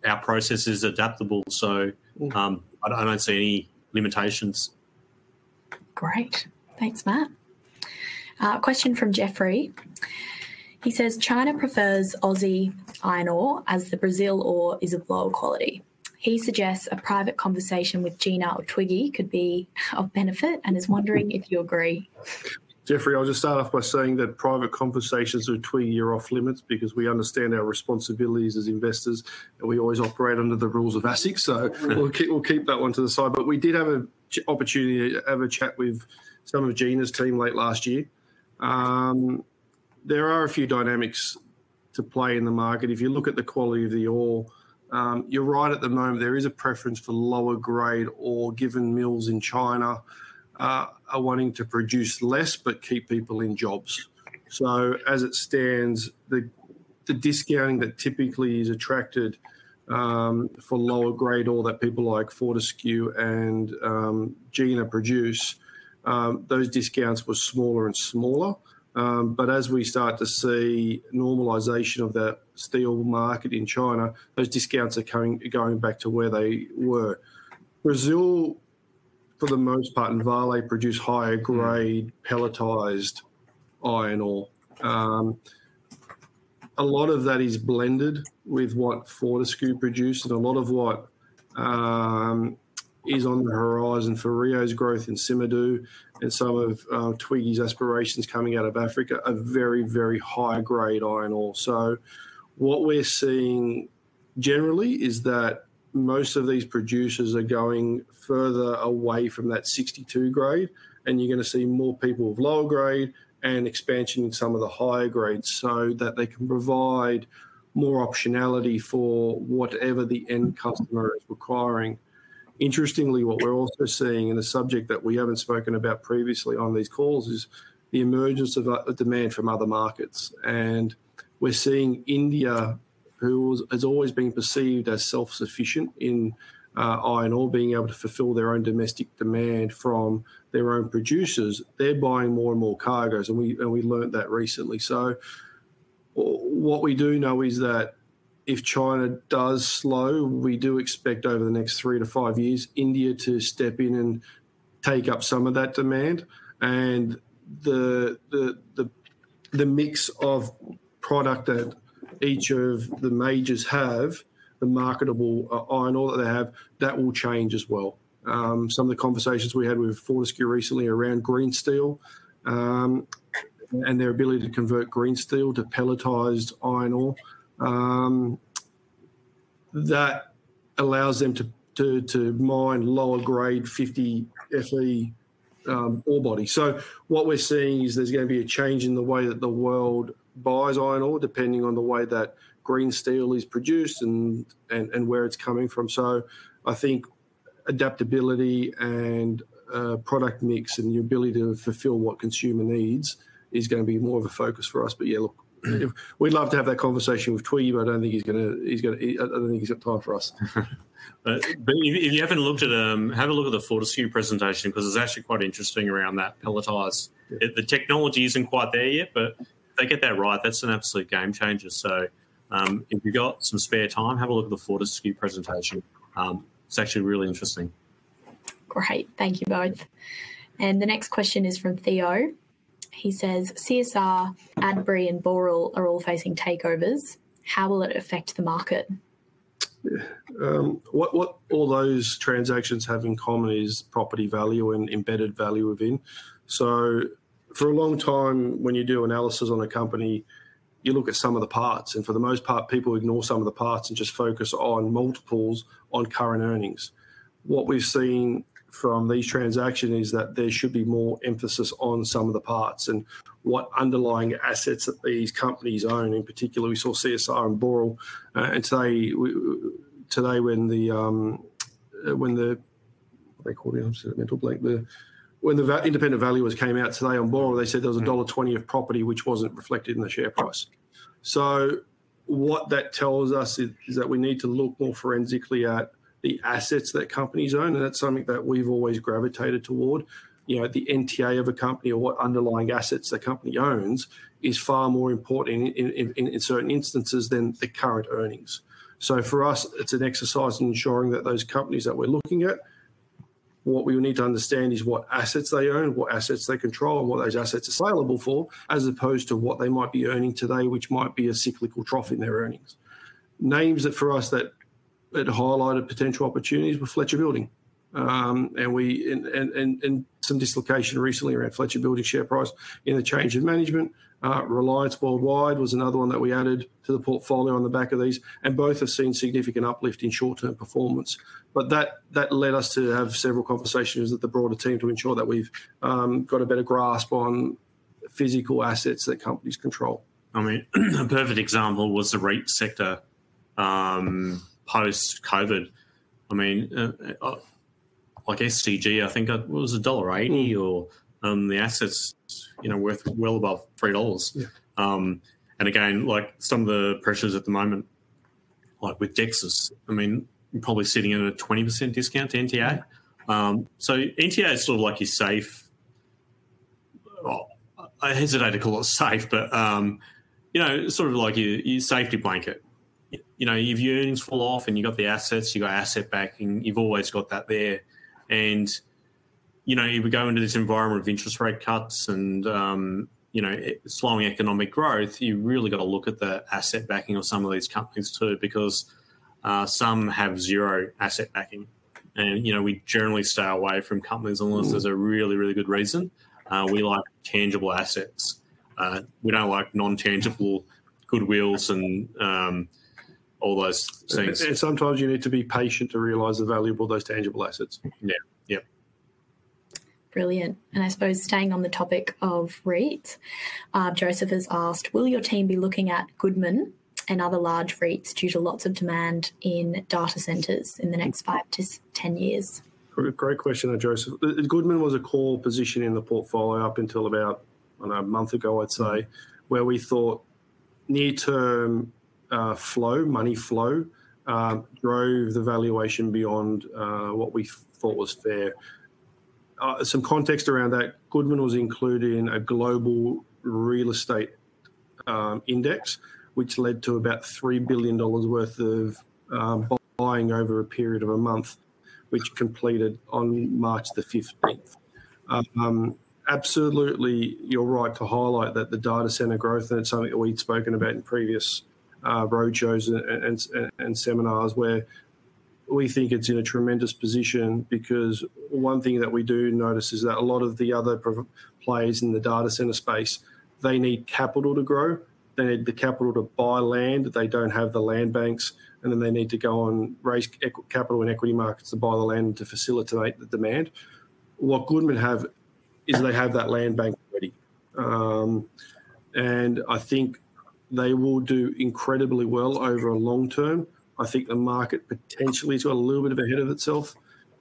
our process is adaptable. So I don't see any limitations. Great. Thanks, Matt. Question from Geoff. He says, "China prefers Aussie iron ore as the Brazil ore is of lower quality. He suggests a private conversation with Gina or Twiggy could be of benefit and is wondering if you agree. Geoff, I'll just start off by saying that private conversations with Twiggy are off limits because we understand our responsibilities as investors. We always operate under the rules of ASIC. We'll keep that one to the side. We did have an opportunity to have a chat with some of Gina's team late last year. There are a few dynamics to play in the market. If you look at the quality of the ore, you're right at the moment, there is a preference for lower grade ore given mills in China are wanting to produce less but keep people in jobs. So as it stands, the discounting that typically is attracted for lower grade ore that people like Fortescue and Gina produce, those discounts were smaller and smaller. But as we start to see normalization of that steel market in China, those discounts are going back to where they were. Brazil, for the most part, and Vale produce higher grade pelletized iron ore. A lot of that is blended with what Fortescue produces. And a lot of what is on the horizon for Rio's growth in Simandou and some of Twiggy's aspirations coming out of Africa are very, very high grade iron ore. So what we're seeing generally is that most of these producers are going further away from that 62 grade. And you're going to see more people of lower grade and expansion in some of the higher grades so that they can provide more optionality for whatever the end customer is requiring. Interestingly, what we're also seeing and a subject that we haven't spoken about previously on these calls is the emergence of demand from other markets. And we're seeing India, who has always been perceived as self-sufficient in iron ore, being able to fulfill their own domestic demand from their own producers, they're buying more and more cargoes. And we learnt that recently. So what we do know is that if China does slow, we do expect over the next 3-5 years, India to step in and take up some of that demand. And the mix of product that each of the majors have, the marketable iron ore that they have, that will change as well. Some of the conversations we had with Fortescue recently around green steel and their ability to convert green steel to pelletized iron ore that allows them to mine lower grade 50 Fe ore body. So what we're seeing is there's going to be a change in the way that the world buys iron ore depending on the way that green steel is produced and where it's coming from. So I think adaptability and product mix and the ability to fulfill what consumer needs is going to be more of a focus for us. But yeah, look, we'd love to have that conversation with Twiggy. But I don't think he's got time for us. If you haven't looked at them, have a look at the Fortescue presentation because it's actually quite interesting around that pelletized. The technology isn't quite there yet. If they get that right, that's an absolute game changer. If you've got some spare time, have a look at the Fortescue presentation. It's actually really interesting. Great. Thank you both. And the next question is from Theo. He says, "CSR, Adbri, and Boral are all facing takeovers. How will it affect the market? What all those transactions have in common is property value and embedded value within. So for a long time, when you do analysis on a company, you look at some of the parts. And for the most part, people ignore some of the parts and just focus on multiples, on current earnings. What we've seen from these transactions is that there should be more emphasis on some of the parts and what underlying assets that these companies own. In particular, we saw CSR and Boral. And today, when the what are they calling them? I'm just going to mental blank. When the independent valuers came out today on Boral, they said there was dollar 1.20 of property which wasn't reflected in the share price. So what that tells us is that we need to look more forensically at the assets that companies own. And that's something that we've always gravitated toward. The NTA of a company or what underlying assets the company owns is far more important in certain instances than the current earnings. So for us, it's an exercise in ensuring that those companies that we're looking at, what we will need to understand is what assets they own, what assets they control, and what those assets are available for as opposed to what they might be earning today which might be a cyclical trough in their earnings. Names that for us that had highlighted potential opportunities were Fletcher Building. Some dislocation recently around Fletcher Building share price in the change of management. Reliance Worldwide was another one that we added to the portfolio on the back of these. Both have seen significant uplift in short-term performance. That led us to have several conversations with the broader team to ensure that we've got a better grasp on physical assets that companies control. I mean, a perfect example was the REIT sector post-COVID. I mean, like SCG, I think it was AUD 1.80. And the assets were well above 3 dollars. And again, some of the pressures at the moment with LICs, I mean, you're probably sitting in a 20% discount to NTA. So NTA is sort of like your safe. I hesitate to call it safe. But it's sort of like your safety blanket. If your earnings fall off and you've got the assets, you've got asset backing. You've always got that there. And you would go into this environment of interest rate cuts and slowing economic growth, you've really got to look at the asset backing of some of these companies too because some have zero asset backing. And we generally stay away from companies unless there's a really, really good reason. We like tangible assets. We don't like intangible goodwill and all those things. Sometimes you need to be patient to realize the value of all those tangible assets. Yeah. Yeah. Brilliant. I suppose staying on the topic of REITs, Joseph has asked, "Will your team be looking at Goodman and other large REITs due to lots of demand in data centers in the next 5-10 years? Great question, Joseph. Goodman was a core position in the portfolio up until about a month ago, I'd say, where we thought near-term flow, money flow, drove the valuation beyond what we thought was fair. Some context around that, Goodman was included in a global real estate index which led to about 3 billion dollars worth of buying over a period of a month which completed on March the 15th. Absolutely, you're right to highlight that the data center growth and it's something that we'd spoken about in previous roadshows and seminars where we think it's in a tremendous position because one thing that we do notice is that a lot of the other players in the data center space, they need capital to grow. They need the capital to buy land. They don't have the land banks. Then they need to go and raise capital in equity markets to buy the land to facilitate the demand. What Goodman have is they have that land bank ready. I think they will do incredibly well over a long term. I think the market potentially is a little bit ahead of itself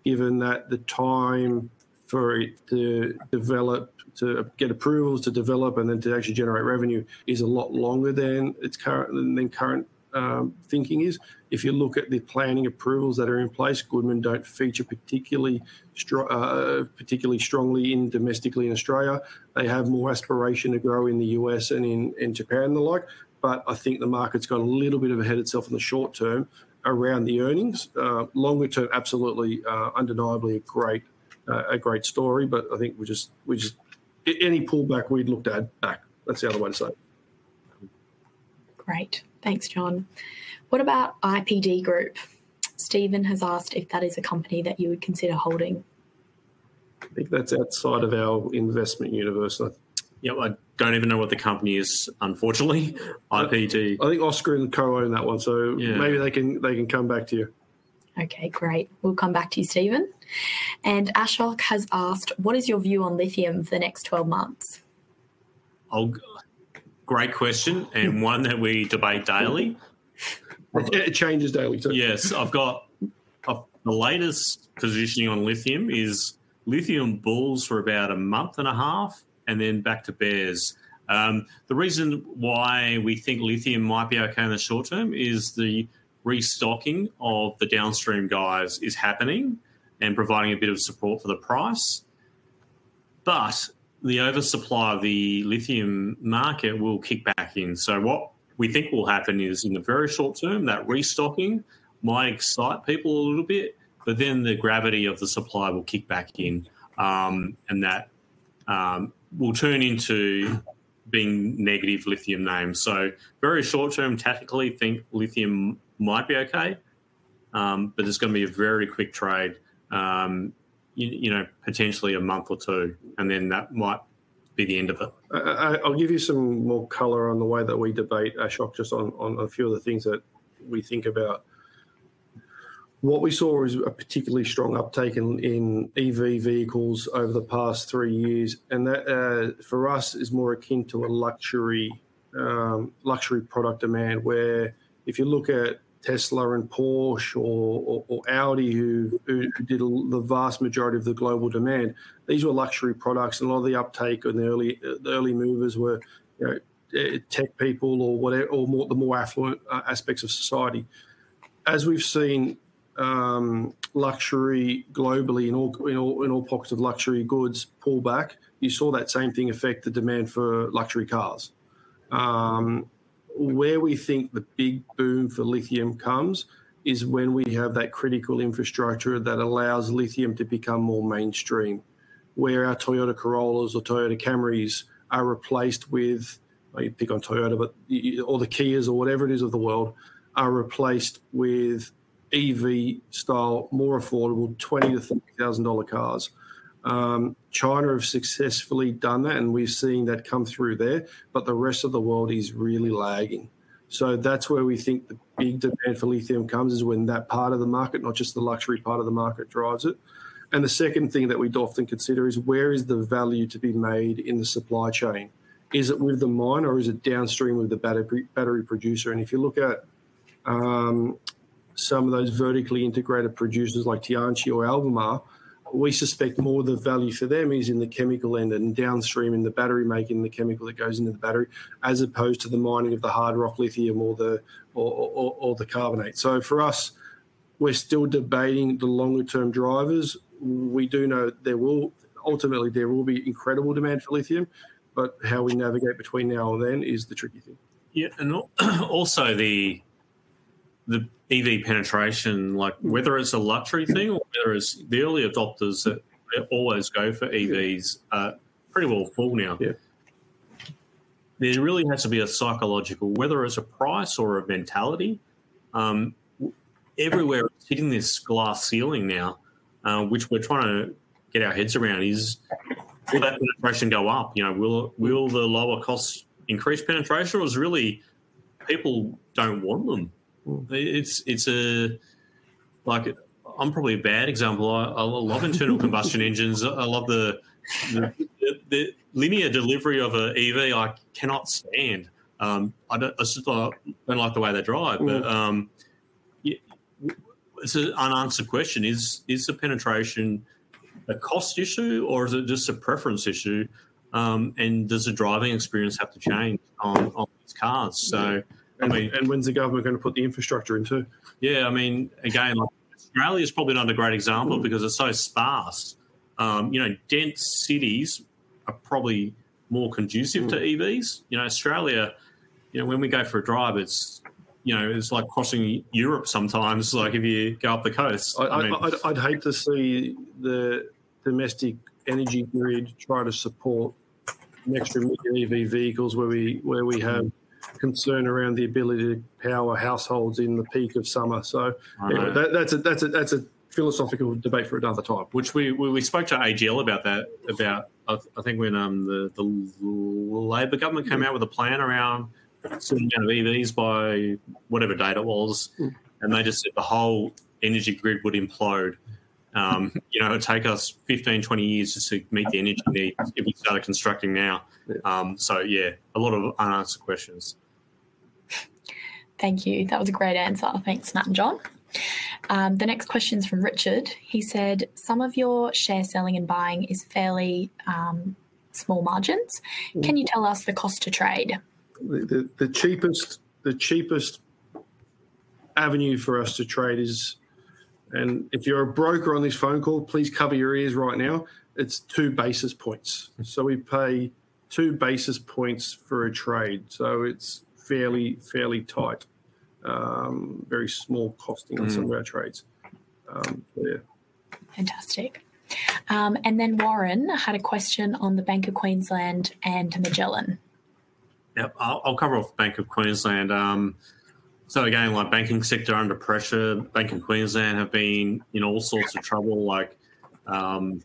given that the time for it to develop, to get approvals to develop, and then to actually generate revenue is a lot longer than current thinking is. If you look at the planning approvals that are in place, Goodman don't feature particularly strongly domestically in Australia. They have more aspiration to grow in the U.S. and in Japan and the like. But I think the market's got a little bit ahead of itself in the short term around the earnings. Longer term, absolutely, undeniably a great story. But I think we just any pullback we'd looked at back. That's the other way to say it. Great. Thanks, John. What about IPD Group? Stephen has asked if that is a company that you would consider holding. I think that's outside of our investment universe. Yeah. I don't even know what the company is, unfortunately. IPD. I think Oscar and co. own that one. So maybe they can come back to you. Okay. Great. We'll come back to you, Stephen. Ashok has asked, "What is your view on lithium for the next 12 months? Great question and one that we debate daily. It changes daily, too. Yes. The latest positioning on lithium is lithium bulls for about a month and a half and then back to bears. The reason why we think lithium might be okay in the short term is the restocking of the downstream guys is happening and providing a bit of support for the price. But the oversupply of the lithium market will kick back in. So what we think will happen is in the very short term, that restocking might excite people a little bit. But then the gravity of the supply will kick back in. And that will turn into being negative lithium names. So very short term, tactically, think lithium might be okay. But there's going to be a very quick trade, potentially a month or two. And then that might be the end of it. I'll give you some more color on the way that we debate, Ashok, just on a few of the things that we think about. What we saw was a particularly strong uptake in EV vehicles over the past three years. That for us is more akin to a luxury product demand where if you look at Tesla and Porsche or Audi who did the vast majority of the global demand, these were luxury products. A lot of the uptake and the early movers were tech people or the more affluent aspects of society. As we've seen luxury globally in all pockets of luxury goods pull back, you saw that same thing affect the demand for luxury cars. Where we think the big boom for lithium comes is when we have that critical infrastructure that allows lithium to become more mainstream where our Toyota Corollas or Toyota Camrys are replaced with you pick on Toyota or the Kias or whatever it is of the world are replaced with EV-style, more affordable $20,000-$30,000 cars. China have successfully done that. And we've seen that come through there. But the rest of the world is really lagging. So that's where we think the big demand for lithium comes is when that part of the market, not just the luxury part of the market, drives it. And the second thing that we'd often consider is where is the value to be made in the supply chain? Is it with the mine or is it downstream with the battery producer? If you look at some of those vertically integrated producers like Tianqi or Albemarle, we suspect more of the value for them is in the chemical end and downstream in the battery making the chemical that goes into the battery as opposed to the mining of the hard rock lithium or the carbonate. For us, we're still debating the longer-term drivers. We do know there will ultimately, there will be incredible demand for lithium. But how we navigate between now and then is the tricky thing. Yeah. And also the EV penetration, whether it's a luxury thing or whether it's the early adopters that always go for EVs are pretty well full now. There really has to be a psychological whether it's a price or a mentality. Everywhere hitting this glass ceiling now which we're trying to get our heads around is will that penetration go up? Will the lower costs increase penetration? Or it's really people don't want them. I'm probably a bad example. I love internal combustion engines. I love the linear delivery of an EV. I cannot stand. I don't like the way they drive. But it's an unanswered question. Is the penetration a cost issue? Or is it just a preference issue? And does the driving experience have to change on these cars? When's the government going to put the infrastructure into? Yeah. I mean, again, Australia's probably not a great example because it's so sparse. Dense cities are probably more conducive to EVs. Australia, when we go for a drive, it's like crossing Europe sometimes if you go up the coast. I'd hate to see the domestic energy grid try to support extra million EV vehicles where we have concern around the ability to power households in the peak of summer. So that's a philosophical debate for another time which we spoke to AGL about that. I think when the Labor government came out with a plan around certain amount of EVs by whatever date it was. They just said the whole energy grid would implode. It would take us 15-20 years just to meet the energy needs if we started constructing now. So yeah, a lot of unanswered questions. Thank you. That was a great answer. Thanks, Matt and John. The next question's from Richard. He said, "Some of your share selling and buying is fairly small margins. Can you tell us the cost to trade? The cheapest avenue for us to trade is, and if you're a broker on this phone call, please cover your ears right now. It's two basis points. So we pay two basis points for a trade. So it's fairly tight, very small costing on some of our trades. Fantastic. Warren had a question on the Bank of Queensland and Magellan. Yeah. I'll cover off the Bank of Queensland. So again, banking sector under pressure. Bank of Queensland have been in all sorts of trouble. They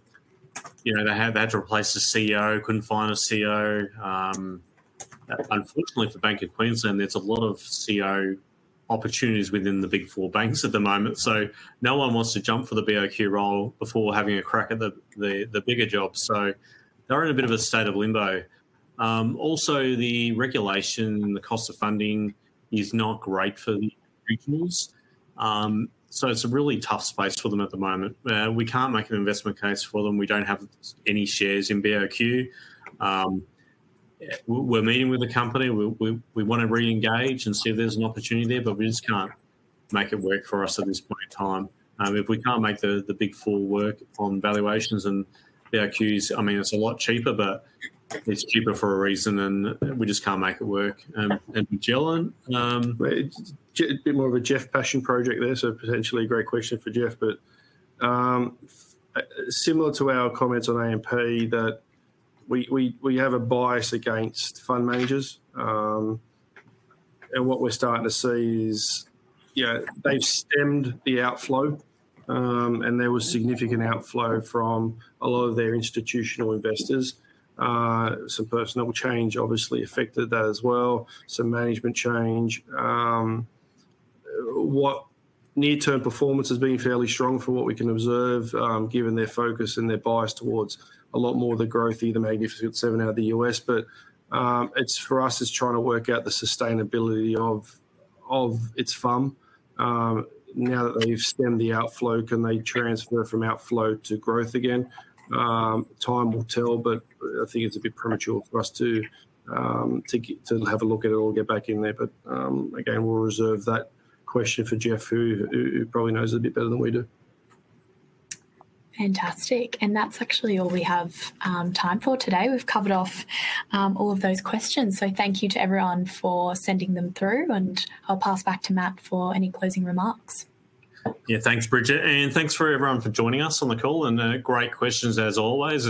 had to replace a CEO, couldn't find a CEO. Unfortunately, for Bank of Queensland, there's a lot of CEO opportunities within the Big Four banks at the moment. So no one wants to jump for the BOQ role before having a crack at the bigger job. So they're in a bit of a state of limbo. Also, the regulation, the cost of funding is not great for the regionals. So it's a really tough space for them at the moment. We can't make an investment case for them. We don't have any shares in BOQ. We're meeting with the company. We want to re-engage and see if there's an opportunity there. But we just can't make it work for us at this point in time. If we can't make the Big Four work on valuations and BOQs, I mean, it's a lot cheaper. But it's cheaper for a reason. We just can't make it work. Magellan? A bit more of a Geoff passion project there. So potentially a great question for Geoff. But similar to our comments on AMP, that we have a bias against fund managers. And what we're starting to see is they've stemmed the outflow. And there was significant outflow from a lot of their institutional investors. Some personal change, obviously, affected that as well, some management change. Near-term performance has been fairly strong from what we can observe given their focus and their bias towards a lot more of the growth either Magnificent Seven out of the U.S. But for us, it's trying to work out the sustainability of its fund now that they've stemmed the outflow. Can they transfer from outflow to growth again? Time will tell. But I think it's a bit premature for us to have a look at it all, get back in there. But again, we'll reserve that question for Geoff who probably knows a bit better than we do. Fantastic. And that's actually all we have time for today. We've covered off all of those questions. So thank you to everyone for sending them through. And I'll pass back to Matt for any closing remarks. Yeah. Thanks, Bridget. Thanks for everyone for joining us on the call. Great questions as always.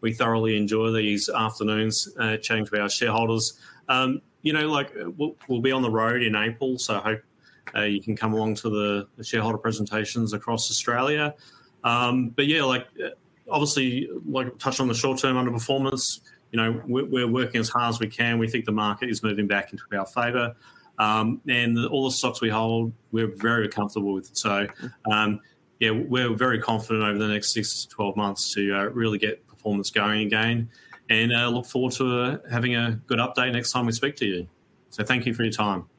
We thoroughly enjoy these afternoons chatting to our shareholders. We'll be on the road in April. I hope you can come along to the shareholder presentations across Australia. But yeah, obviously, like I touched on the short-term underperformance, we're working as hard as we can. We think the market is moving back into our favor. All the stocks we hold, we're very comfortable with. Yeah, we're very confident over the next 6-12 months to really get performance going again. Look forward to having a good update next time we speak to you. Thank you for your time. Thank you.